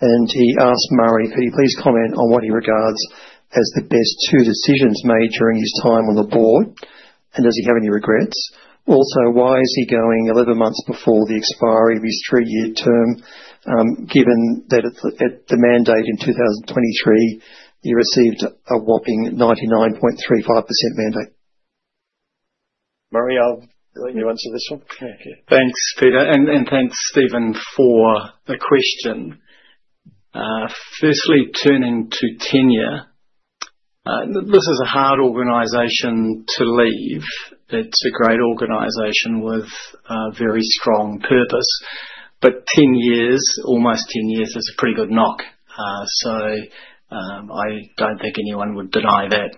He asked Murray, "Could you please comment on what he regards as the best two decisions made during his time on the board? And does he have any regrets? Also, why is he going 11 months before the expiry of his three-year term, given that at the mandate in 2023, he received a whopping 99.35% mandate?" Murray, you answer this one. Thanks, Peter. And thanks, Stephen, for the question. Firstly, turning to tenure. This is a hard organization to leave. It's a great organization with very strong purpose. But 10 years, almost 10 years, is a pretty good knock. So I don't think anyone would deny that.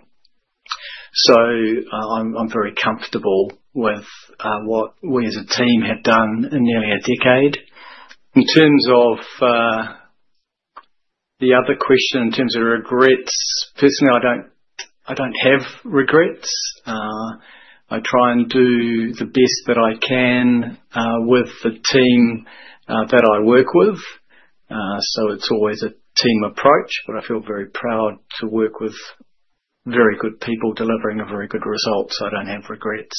I'm very comfortable with what we as a team have done in nearly a decade. In terms of the other question, in terms of regrets, personally, I don't have regrets. I try and do the best that I can with the team that I work with. So it's always a team approach, but I feel very proud to work with very good people delivering a very good result. So I don't have regrets.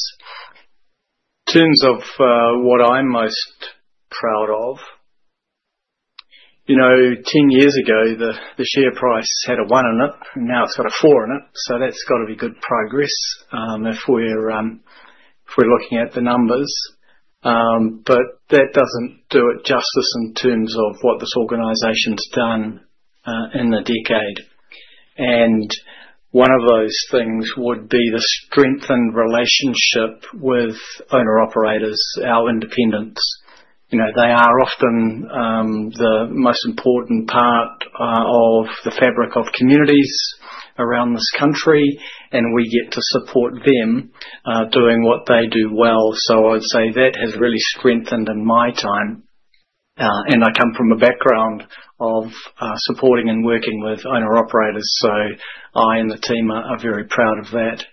In terms of what I'm most proud of, 10 years ago, the share price had a one in it, and now it's got a four in it. So that's got to be good progress if we're looking at the numbers. But that doesn't do it justice in terms of what this organization's done in the decade. And one of those things would be the strengthened relationship with owner-operators, our independents. They are often the most important part of the fabric of communities around this country, and we get to support them doing what they do well. So I'd say that has really strengthened in my time. And I come from a background of supporting and working with owner-operators. So I and the team are very proud of that.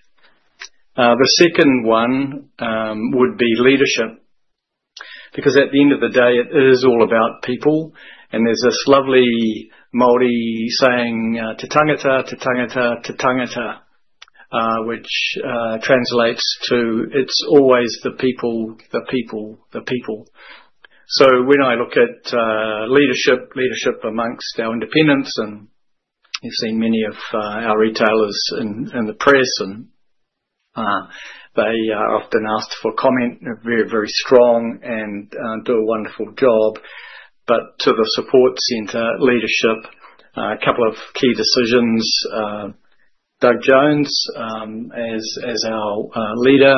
The second one would be leadership because at the end of the day, it is all about people. And there's this lovely Māori saying, "He tangata, He tangata, He tangata," which translates to, "It's always the people, the people, the people." So when I look at leadership, leadership amongst our independents, and you've seen many of our retailers in the press, and they are often asked for comment, very, very strong, and do a wonderful job. But to the support centre, leadership, a couple of key decisions. Doug Jones as our leader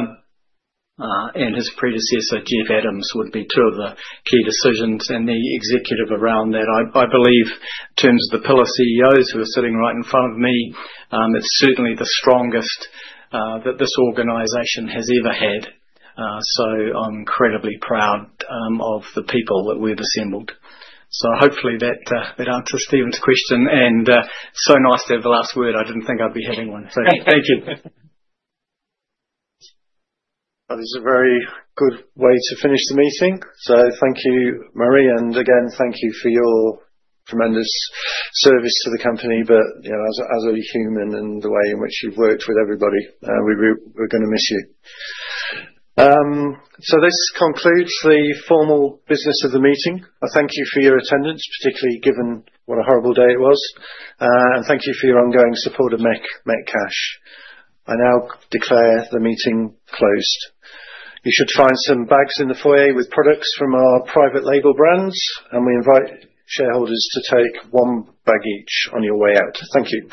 and his predecessor, Jeff Adams, would be two of the key decisions, and the executive around that, I believe, in terms of the pillar CEOs who are sitting right in front of me, it's certainly the strongest that this organization has ever had, so I'm incredibly proud of the people that we've assembled, so hopefully that answers Stephen's question, and so nice to have the last word. I didn't think I'd be having one, so thank you. That is a very good way to finish the meeting, so thank you, Murray, and again, thank you for your tremendous service to the company, but as a human and the way in which you've worked with everybody, we're going to miss you, so this concludes the formal business of the meeting. I thank you for your attendance, particularly given what a horrible day it was. Thank you for your ongoing support of Metcash. I now declare the meeting closed. You should find some bags in the foyer with products from our private label brands. We invite shareholders to take one bag each on your way out. Thank you.